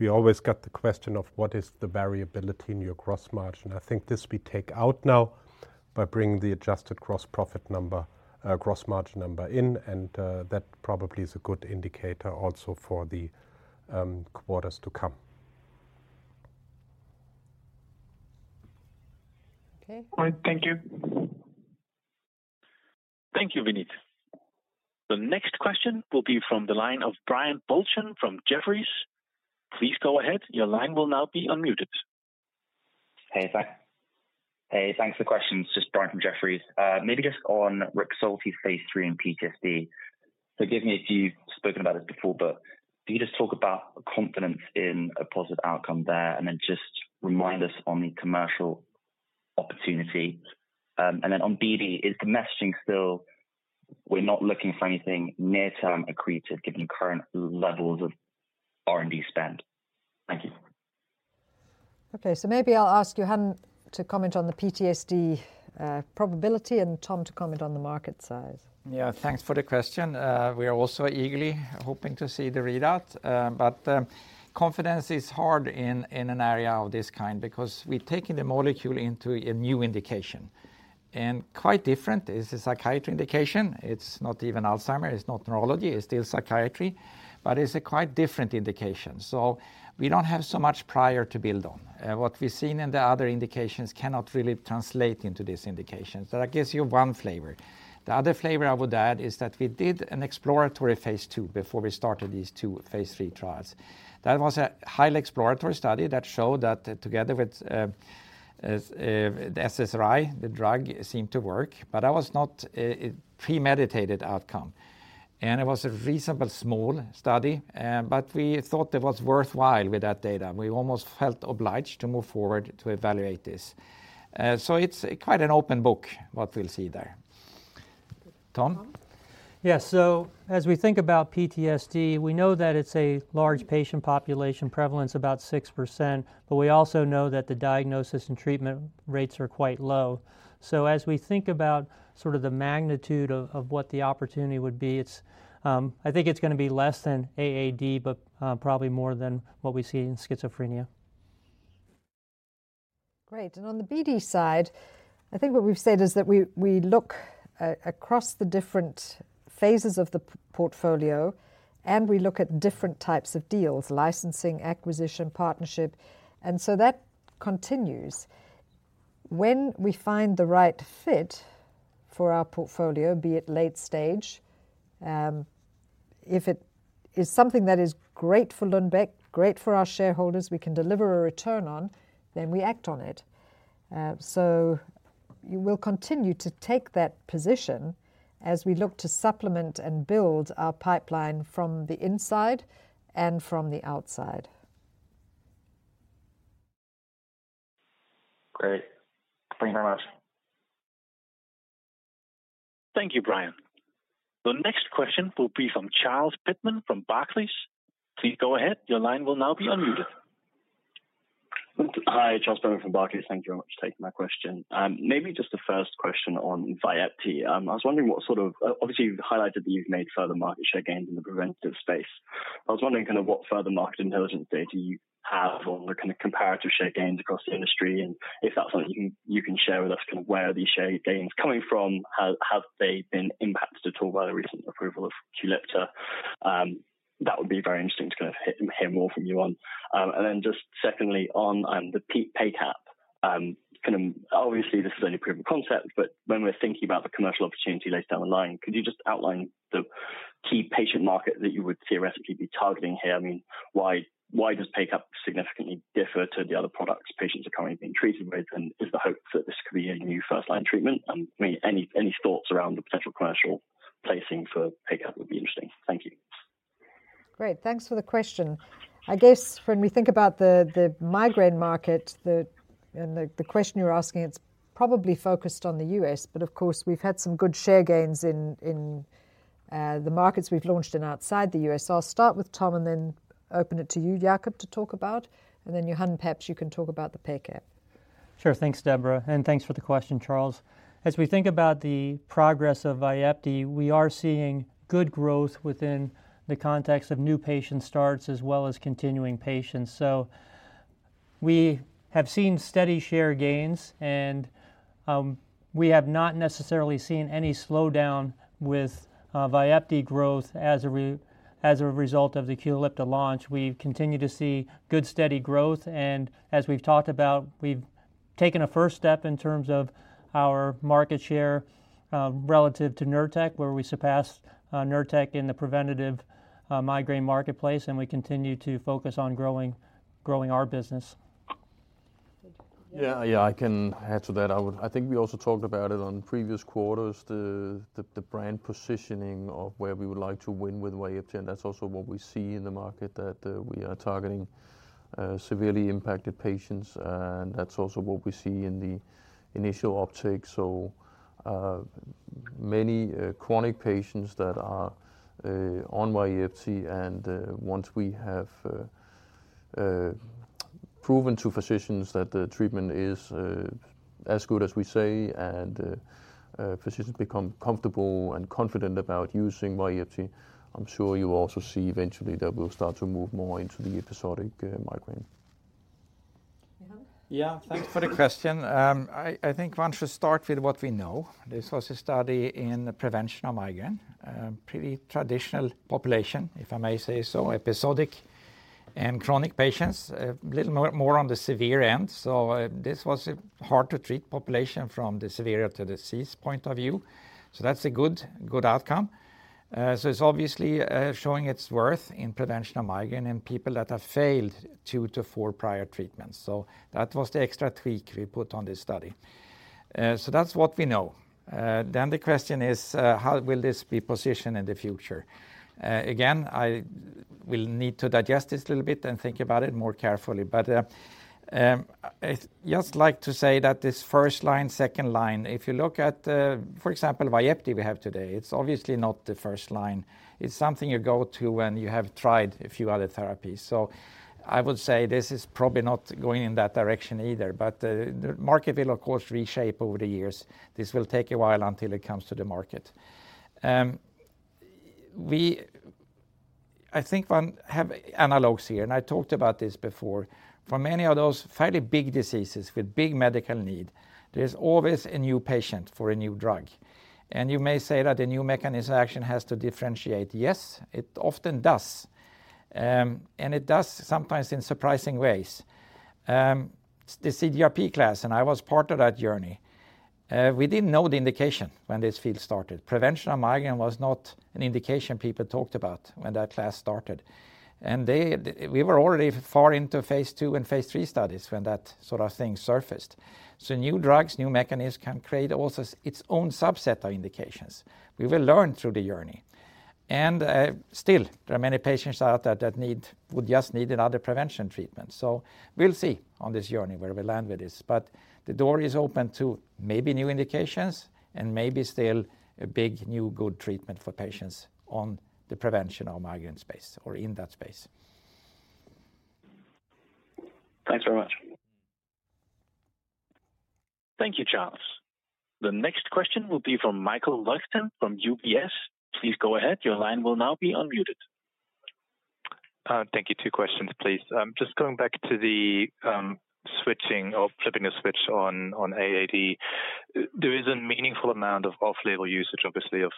We always got the question of what is the variability in your gross margin. I think this we take out now by bringing the adjusted gross profit number, gross margin number in, and that probably is a good indicator also for the quarters to come. All right. Thank you. Thank you, Vinit. The next question will be from the line of Brian Balchin from Jefferies. Please go ahead. Your line will now be unmuted. Hey, thanks for the questions. Just Brian from Jefferies. Maybe just on Rexulti Phase III and PTSD. Forgive me if you've spoken about it before, but can you just talk about the confidence in a positive outcome there, and then just remind us on the commercial opportunity. Then on BD, is the messaging still we're not looking for anything near-term accretive given the current levels of R&D spend? Thank you. Okay. maybe I'll ask Johan to comment on the PTSD, probability, and Tom to comment on the market size. Yeah. Thanks for the question. We are also eagerly hoping to see the readout. Confidence is hard in an area of this kind because we're taking the molecule into a new indication. Quite different. It's a psychiatry indication. It's not even Alzheimer's, it's not neurology, it's still psychiatry, but it's a quite different indication. We don't have so much prior to build on. What we've seen in the other indications cannot really translate into this indication. That gives you one flavor. The other flavor I would add is that we did an exploratory phase II before we started these two Phase III trials. That was a highly exploratory study that showed that together with the SSRI, the drug seemed to work, but that was not a premeditated outcome. It was a reasonably small study, but we thought it was worthwhile with that data. We almost felt obliged to move forward to evaluate this. It's quite an open book what we'll see there. Tom? Tom. As we think about PTSD, we know that it's a large patient population prevalence, about 6%, but we also know that the diagnosis and treatment rates are quite low. As we think about sort of the magnitude of what the opportunity would be, it's, I think it's gonna be less than AAD, but probably more than what we see in schizophrenia. Great. On the BD side, I think what we've said is that we look across the different phases of the portfolio, and we look at different types of deals: licensing, acquisition, partnership. That continues. When we find the right fit for our portfolio, be it late stage, if it is something that is great for Lundbeck, great for our shareholders, we can deliver a return on, then we act on it. We'll continue to take that position as we look to supplement and build our pipeline from the inside and from the outside. Great. Thank you very much. Thank you, Brian. The next question will be from Charles Pitman-King from Barclays. Please go ahead. Your line will now be unmuted. Hi. Charles Pitman from Barclays. Thank you very much for taking my question. Maybe just the first question on Vyepti. I was wondering what sort of... Obviously, you've highlighted that you've made further market share gains in the preventative space. I was wondering kind of what further market intelligence data you have on the kind of comparative share gains across the industry, and if that's something you can share with us, kind of where are these share gains coming from? Have they been impacted at all by the recent approval of QULIPTA? That would be very interesting to kind of hear more from you on. Then just secondly on the PACAP. kind of obviously this is only proof of concept, but when we're thinking about the commercial opportunity later down the line, could you just outline the key patient market that you would theoretically be targeting here? I mean, why does PACAP significantly differ to the other products patients are currently being treated with? Is the hope that this could be a new first line treatment? I mean, any thoughts around the potential commercial placing for PACAP would be interesting. Thank you. Great. Thanks for the question. I guess when we think about the migraine market, and the question you're asking, it's probably focused on the U.S., but of course, we've had some good share gains in the markets we've launched in outside the U.S. I'll start with Tom and then open it to you, Jacob, to talk about. Johan, perhaps you can talk about the PACAP. Sure. Thanks, Deborah, and thanks for the question, Charles. As we think about the progress of Vyepti, we are seeing good growth within the context of new patient starts as well as continuing patients. We have seen steady share gains, and we have not necessarily seen any slowdown with Vyepti growth as a result of the QULIPTA launch. We've continued to see good, steady growth, and as we've talked about, we've taken a first step in terms of our market share relative to Nurtec, where we surpassed Nurtec in the preventative migraine marketplace, and we continue to focus on growing our business. Jakob. Yeah, yeah. I can add to that. I think we also talked about it on previous quarters, the brand positioning of where we would like to win with Vyepti. That's also what we see in the market that we are targeting severely impacted patients. That's also what we see in the initial uptake. Many chronic patients that are on Vyepti. Once we have proven to physicians that the treatment is as good as we say, physicians become comfortable and confident about using Vyepti, I'm sure you will also see eventually that we'll start to move more into the episodic migraine. Johan. Yeah. Thanks for the question. I think one should start with what we know. This was a study in the prevention of migraine. Pretty traditional population, if I may say so. Episodic and chronic patients, a little more on the severe end. This was a hard to treat population from the severe to the cease point of view. That's a good outcome. It's obviously showing its worth in prevention of migraine in people that have failed two to four prior treatments. That was the extra tweak we put on this study. That's what we know. The question is, how will this be positioned in the future? Again, I will need to digest this a little bit and think about it more carefully. I'd just like to say that this first line, second line, if you look at, for example, Vyepti we have today, it's obviously not the first line. It's something you go to when you have tried a few other therapies. I would say this is probably not going in that direction either. The market will of course reshape over the years. This will take a while until it comes to the market. I think one have analogs here, and I talked about this before. For many of those fairly big diseases with big medical need, there's always a new patient for a new drug. You may say that a new mechanism action has to differentiate. Yes, it often does. It does sometimes in surprising ways. The CGRP class, and I was part of that journey, we didn't know the indication when this field started. Prevention of migraine was not an indication people talked about when that class started. We were already far into phase II and Phase III studies when that sort of thing surfaced. New drugs, new mechanisms can create also its own subset of indications. We will learn through the journey. Still, there are many patients out there that would just need another prevention treatment. We'll see on this journey where we land with this. The door is open to maybe new indications and maybe still a big new good treatment for patients on the prevention of migraine space or in that space. Thanks very much. Thank you, Charles. The next question will be from Michael Luxton from UBS. Please go ahead. Your line will now be unmuted. Thank you. Two questions, please. Just going back to the switching or flipping a switch on AAD. There is a meaningful amount of off-label usage, obviously, of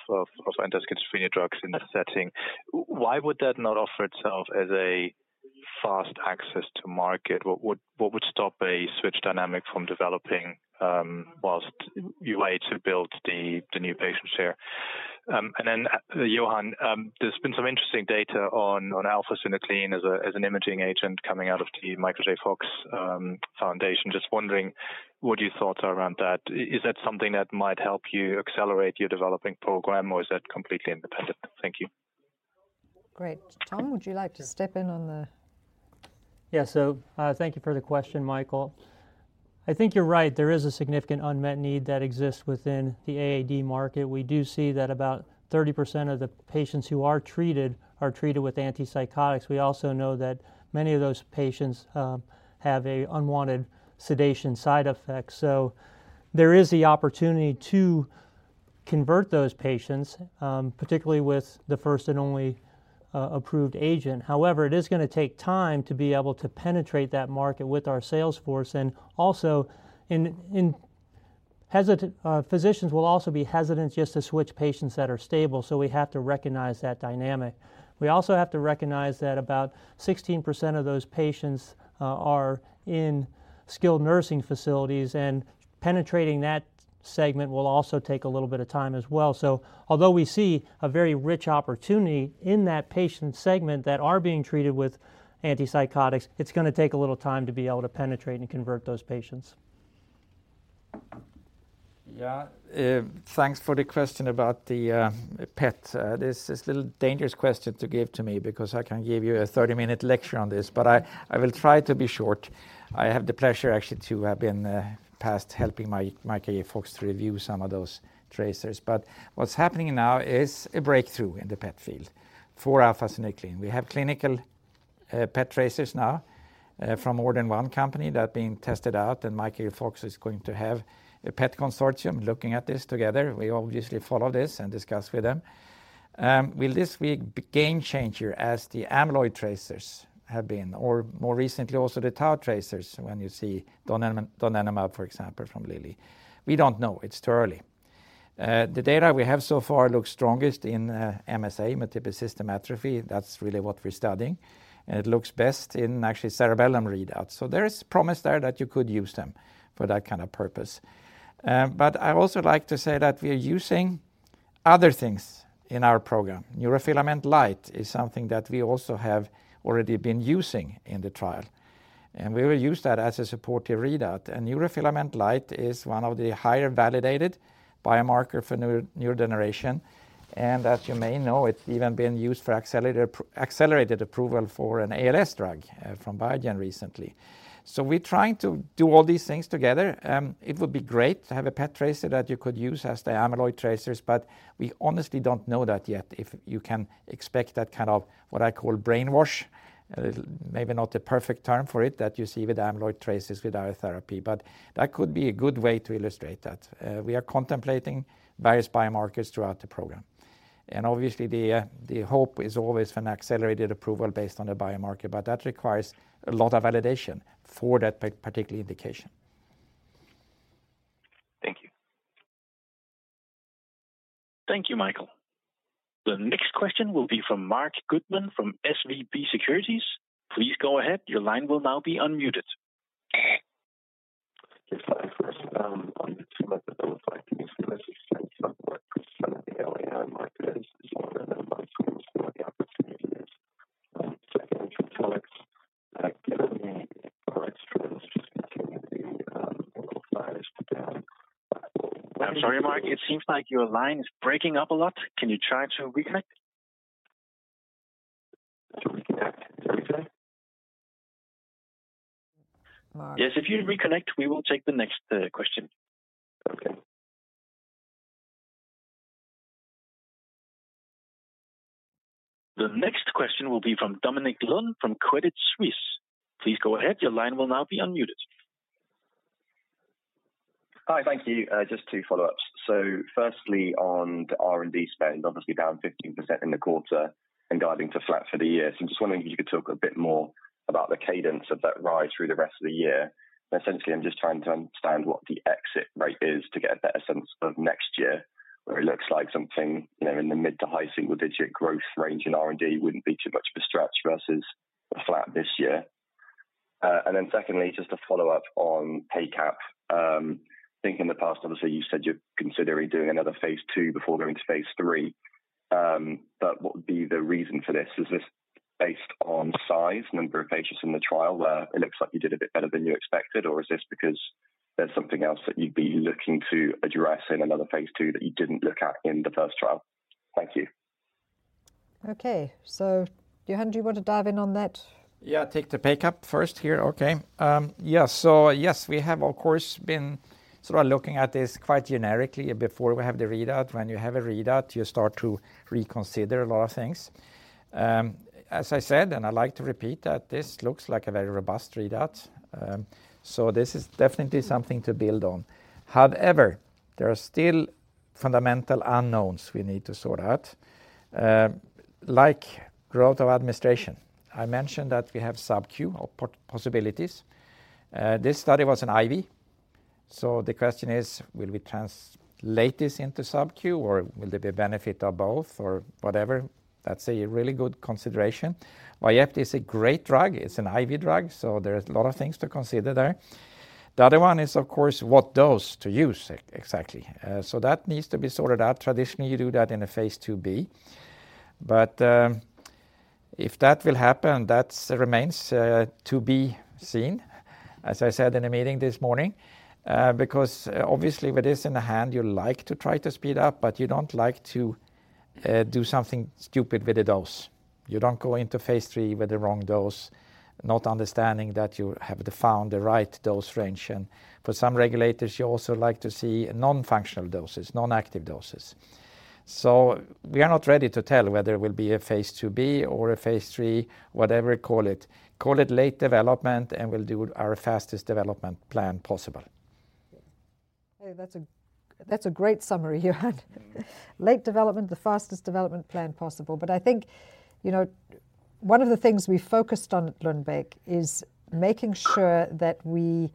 antipsychotic drugs in that setting. Why would that not offer itself as a fast access to market? What would stop a switch dynamic from developing whilst you wait to build the new patient share? Then Johan, there's been some interesting data on alpha-synuclein as an imaging agent coming out of the Michael J. Fox Foundation. Just wondering what your thoughts are around that. Is that something that might help you accelerate your developing program, or is that completely independent? Thank you. Great. Tom, would you like to step in on? Thank you for the question, Michael. I think you're right. There is a significant unmet need that exists within the AAD market. We do see that about 30% of the patients who are treated are treated with antipsychotics. We also know that many of those patients have a unwanted sedation side effect. There is the opportunity to convert those patients, particularly with the first and only approved agent. However, it is gonna take time to be able to penetrate that market with our sales force. Physicians will also be hesitant just to switch patients that are stable, so we have to recognize that dynamic. We also have to recognize that about 16% of those patients are in skilled nursing facilities, penetrating that segment will also take a little bit of time as well. Although we see a very rich opportunity in that patient segment that are being treated with antipsychotics, it's gonna take a little time to be able to penetrate and convert those patients. Yeah. Thanks for the question about the PET. This is little dangerous question to give to me because I can give you a 30-minute lecture on this. I will try to be short. I have the pleasure actually to have been past helping Michael J. Fox Foundation to review some of those tracers. What's happening now is a breakthrough in the PET field for alpha-synuclein. We have clinical PET tracers now from more than one company that are being tested out, and Michael J. Fox Foundation is going to have a PET consortium looking at this together. We obviously follow this and discuss with them. Will this be game changer as the amyloid tracers have been, or more recently also the tau tracers when you see donanemab, for example, from Lilly? We don't know. It's too early. The data we have so far looks strongest in MSA, multiple system atrophy. That's really what we're studying. It looks best in actually cerebellum readout. There is promise there that you could use them for that kind of purpose. I also like to say that we are using other things in our program. Neurofilament light is something that we also have already been using in the trial. We will use that as a supportive readout. A neurofilament light is one of the higher validated biomarker for neurodegeneration. As you may know, it's even been used for accelerated approval for an ALS drug from Biogen recently. We're trying to do all these things together. It would be great to have a PET tracer that you could use as the amyloid tracers, but we honestly don't know that yet if you can expect that kind of what I call brainwash. Maybe not the perfect term for it that you see with amyloid traces with our therapy. That could be a good way to illustrate that. We are contemplating various biomarkers throughout the program. Obviously, the hope is always for an accelerated approval based on the biomarker, but that requires a lot of validation for that particular indication. Thank you, Michael. The next question will be from Marc Goodman from SVB Securities. Please go ahead. Your line will now be unmuted. Yes. Hi, first, on the 2-month Abilify, can you give us a sense of what % of the LAI market is order and what the opportunity is? Second, Trintellix, given the price trends just looking at the profiles today. I'm sorry, Marc, it seems like your line is breaking up a lot. Can you try to reconnect? To reconnect. Sorry, say again. Yes, if you reconnect, we will take the next question. Okay. The next question will be from Dominic Lunn from Credit Suisse. Please go ahead. Your line will now be unmuted. Hi. Thank you. Just two follow-ups. Firstly on the R&D spend, obviously down 15% in the quarter and guiding to flat for the year. I'm just wondering if you could talk a bit more about the cadence of that rise through the rest of the year. Essentially, I'm just trying to understand what the exit rate is to get a better sense of next year, where it looks like something, you know, in the mid to high single-digit growth range in R&D wouldn't be too much of a stretch versus a flat this year. Secondly, just to follow up on PACAP. I think in the past, obviously you said you're considering doing another phase II before going to phase III. What would be the reason for this? Is this based on size, number of patients in the trial where it looks like you did a bit better than you expected, or is this because there's something else that you'd be looking to address in another phase II that you didn't look at in the first trial? Thank you. Okay. Johan, do you want to dive in on that? Yeah, take the PACAP first here. Okay. Yeah. Yes, we have of course, been sort of looking at this quite generically before we have the readout. When you have a readout, you start to reconsider a lot of things. As I said, and I like to repeat that this looks like a very robust readout. This is definitely something to build on. However, there are still fundamental unknowns we need to sort out, like growth of administration. I mentioned that we have subQ possibilities. This study was an IV. The question is, will we translate this into subQ, or will there be a benefit of both or whatever? That's a really good consideration. Vyepti is a great drug. It's an IV drug, there's a lot of things to consider there. The other one is of course, what dose to use exactly. That needs to be sorted out. Traditionally, you do that in a phase II B. If that will happen, that remains to be seen, as I said in a meeting this morning. Obviously with this in the hand, you like to try to speed up, but you don't like to do something stupid with the dose. You don't go into Phase III with the wrong dose, not understanding that you have found the right dose range. For some regulators, you also like to see non-functional doses, non-active doses. We are not ready to tell whether it will be a phase II B or a Phase III, whatever you call it. Call it late development, and we'll do our fastest development plan possible. Okay. That's a great summary, Johan. Late development, the fastest development plan possible. I think, you know, one of the things we focused on at Lundbeck is making sure that we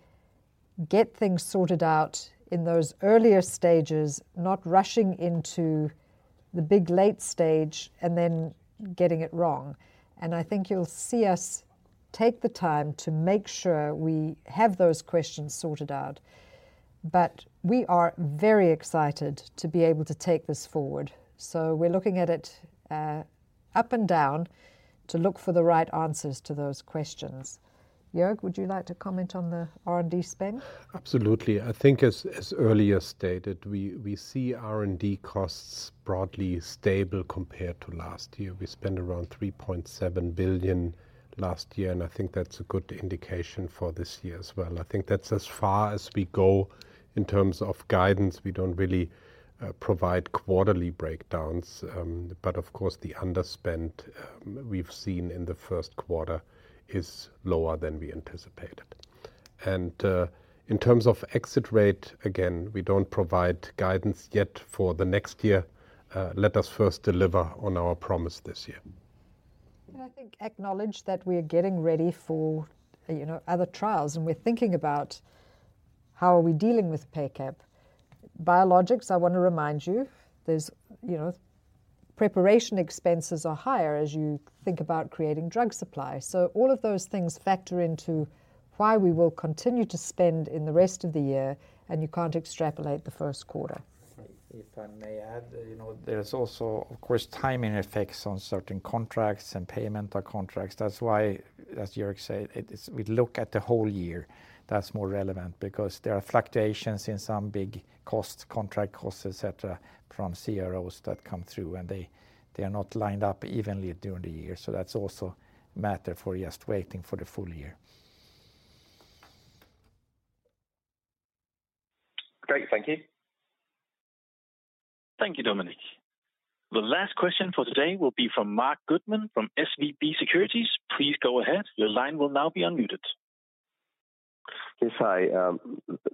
get things sorted out in those earlier stages, not rushing into the big late stage and then getting it wrong. I think you'll see us take the time to make sure we have those questions sorted out. We are very excited to be able to take this forward. We're looking at it up and down to look for the right answers to those questions. Jørg, would you like to comment on the R&D spend? Absolutely. I think as earlier stated, we see R&D costs broadly stable compared to last year. We spent around 3.7 billion last year, and I think that's a good indication for this year as well. I think that's as far as we go in terms of guidance. We don't really provide quarterly breakdowns. Of course, the underspend we've seen in the first quarter is lower than we anticipated. In terms of exit rate, again, we don't provide guidance yet for the next year. Let us first deliver on our promise this year. Can I think acknowledge that we are getting ready for, you know, other trials, and we're thinking about how are we dealing with PACAP. Biologics, I want to remind you, there's, you know, preparation expenses are higher as you think about creating drug supply. All of those things factor into why we will continue to spend in the rest of the year, and you can't extrapolate the first quarter. If I may add, you know, there's also, of course, timing effects on certain contracts and payment of contracts. That's why, as Jørg said, we look at the whole year. That's more relevant because there are fluctuations in some big costs, contract costs, et cetera, from CROs that come through, and they are not lined up evenly during the year. That's also matter for just waiting for the full year. Great. Thank you. Thank you, Dominic. The last question for today will be from Marc Goodman from SVB Securities. Please go ahead. Your line will now be unmuted. Yes, hi.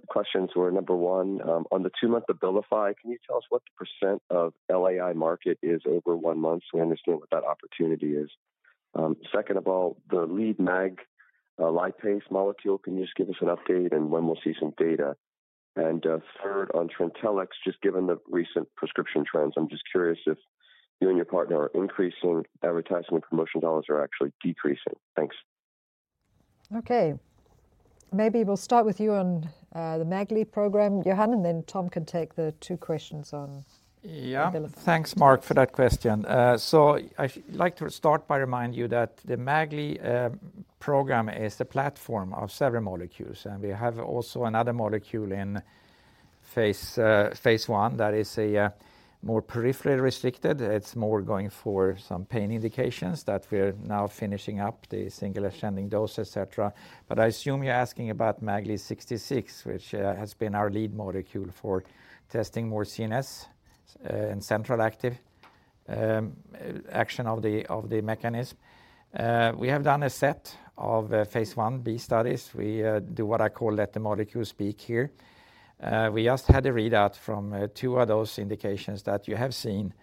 questions were number 1, on the 2-month Abilify, can you tell us what % of LAI market is over 1 month so we understand what that opportunity is? second of all, the lead MAG. A MAGLi molecule. Can you just give us an update on when we'll see some data? Third, on Trintellix, just given the recent prescription trends, I'm just curious if you and your partner are increasing advertisement promotion US dollars or actually decreasing? Thanks. Okay. Maybe we'll start with you on the MAGLi program, Johan. Tom can take the two questions on. Yeah... Trintellix. Thanks, Marc, for that question. So I like to start by reminding you that the MAGLi program is the platform of several molecules, and we have also another molecule in Phase I that is a more peripherally restricted. It's more going for some pain indications that we're now finishing up the single ascending dose, et cetera. I assume you're asking about MAGLi 66, which has been our lead molecule for testing more CNS and central active action of the mechanism. We have done a set of Phase Ib studies. We do what I call let the molecule speak here. We just had a readout from 2 of those indications that you have seen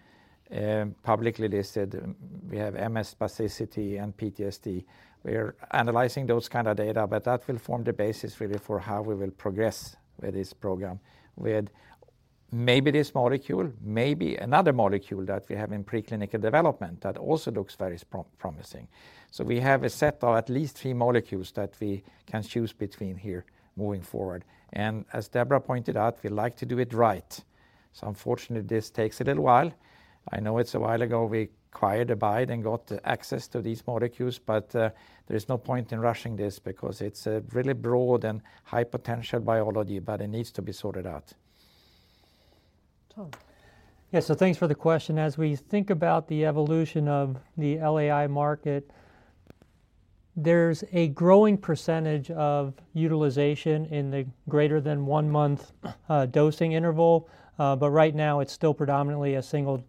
publicly listed. We have MS spasticity and PTSD. We're analyzing those kind of data, but that will form the basis really for how we will progress with this program with maybe this molecule, maybe another molecule that we have in preclinical development that also looks very promising. We have a set of at least three molecules that we can choose between here moving forward. As Deborah pointed out, we like to do it right. Unfortunately, this takes a little while. I know it's a while ago we acquired Abide and got access to these molecules, but there is no point in rushing this because it's a really broad and high potential biology, but it needs to be sorted out. Tom. Yeah. Thanks for the question. As we think about the evolution of the LAI market, there's a growing percentage of utilization in the greater than one-month dosing interval, but right now it's still predominantly a single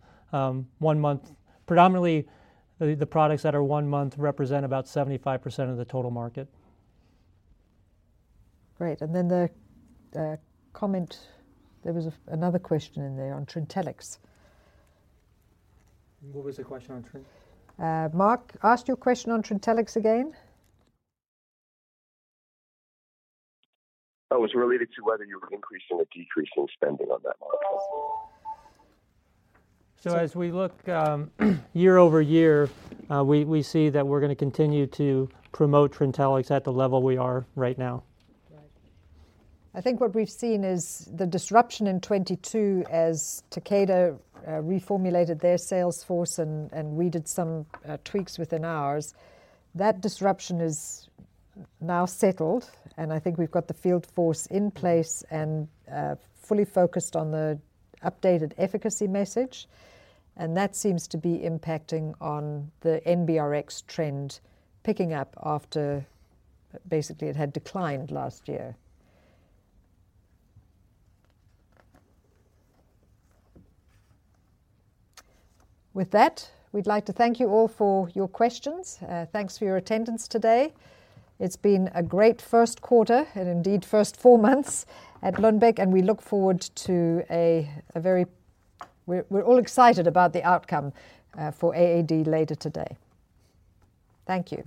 one-month. Predominantly, the products that are one-month represent about 75% of the total market. Great. The comment, there was another question in there on Trintellix. What was the question on Trin? Marc, ask your question on Trintellix again. It was related to whether you were increasing or decreasing spending on that molecule. As we look, year-over-year, we see that we're gonna continue to promote Trintellix at the level we are right now. Right. I think what we've seen is the disruption in 22 as Takeda reformulated their sales force and we did some tweaks within ours. That disruption is now settled. I think we've got the field force in place and fully focused on the updated efficacy message, and that seems to be impacting on the NBRX trend picking up after basically it had declined last year. With that, we'd like to thank you all for your questions. Thanks for your attendance today. It's been a great first quarter and indeed first 4 months at Lundbeck. We're all excited about the outcome for AAD later today. Thank you.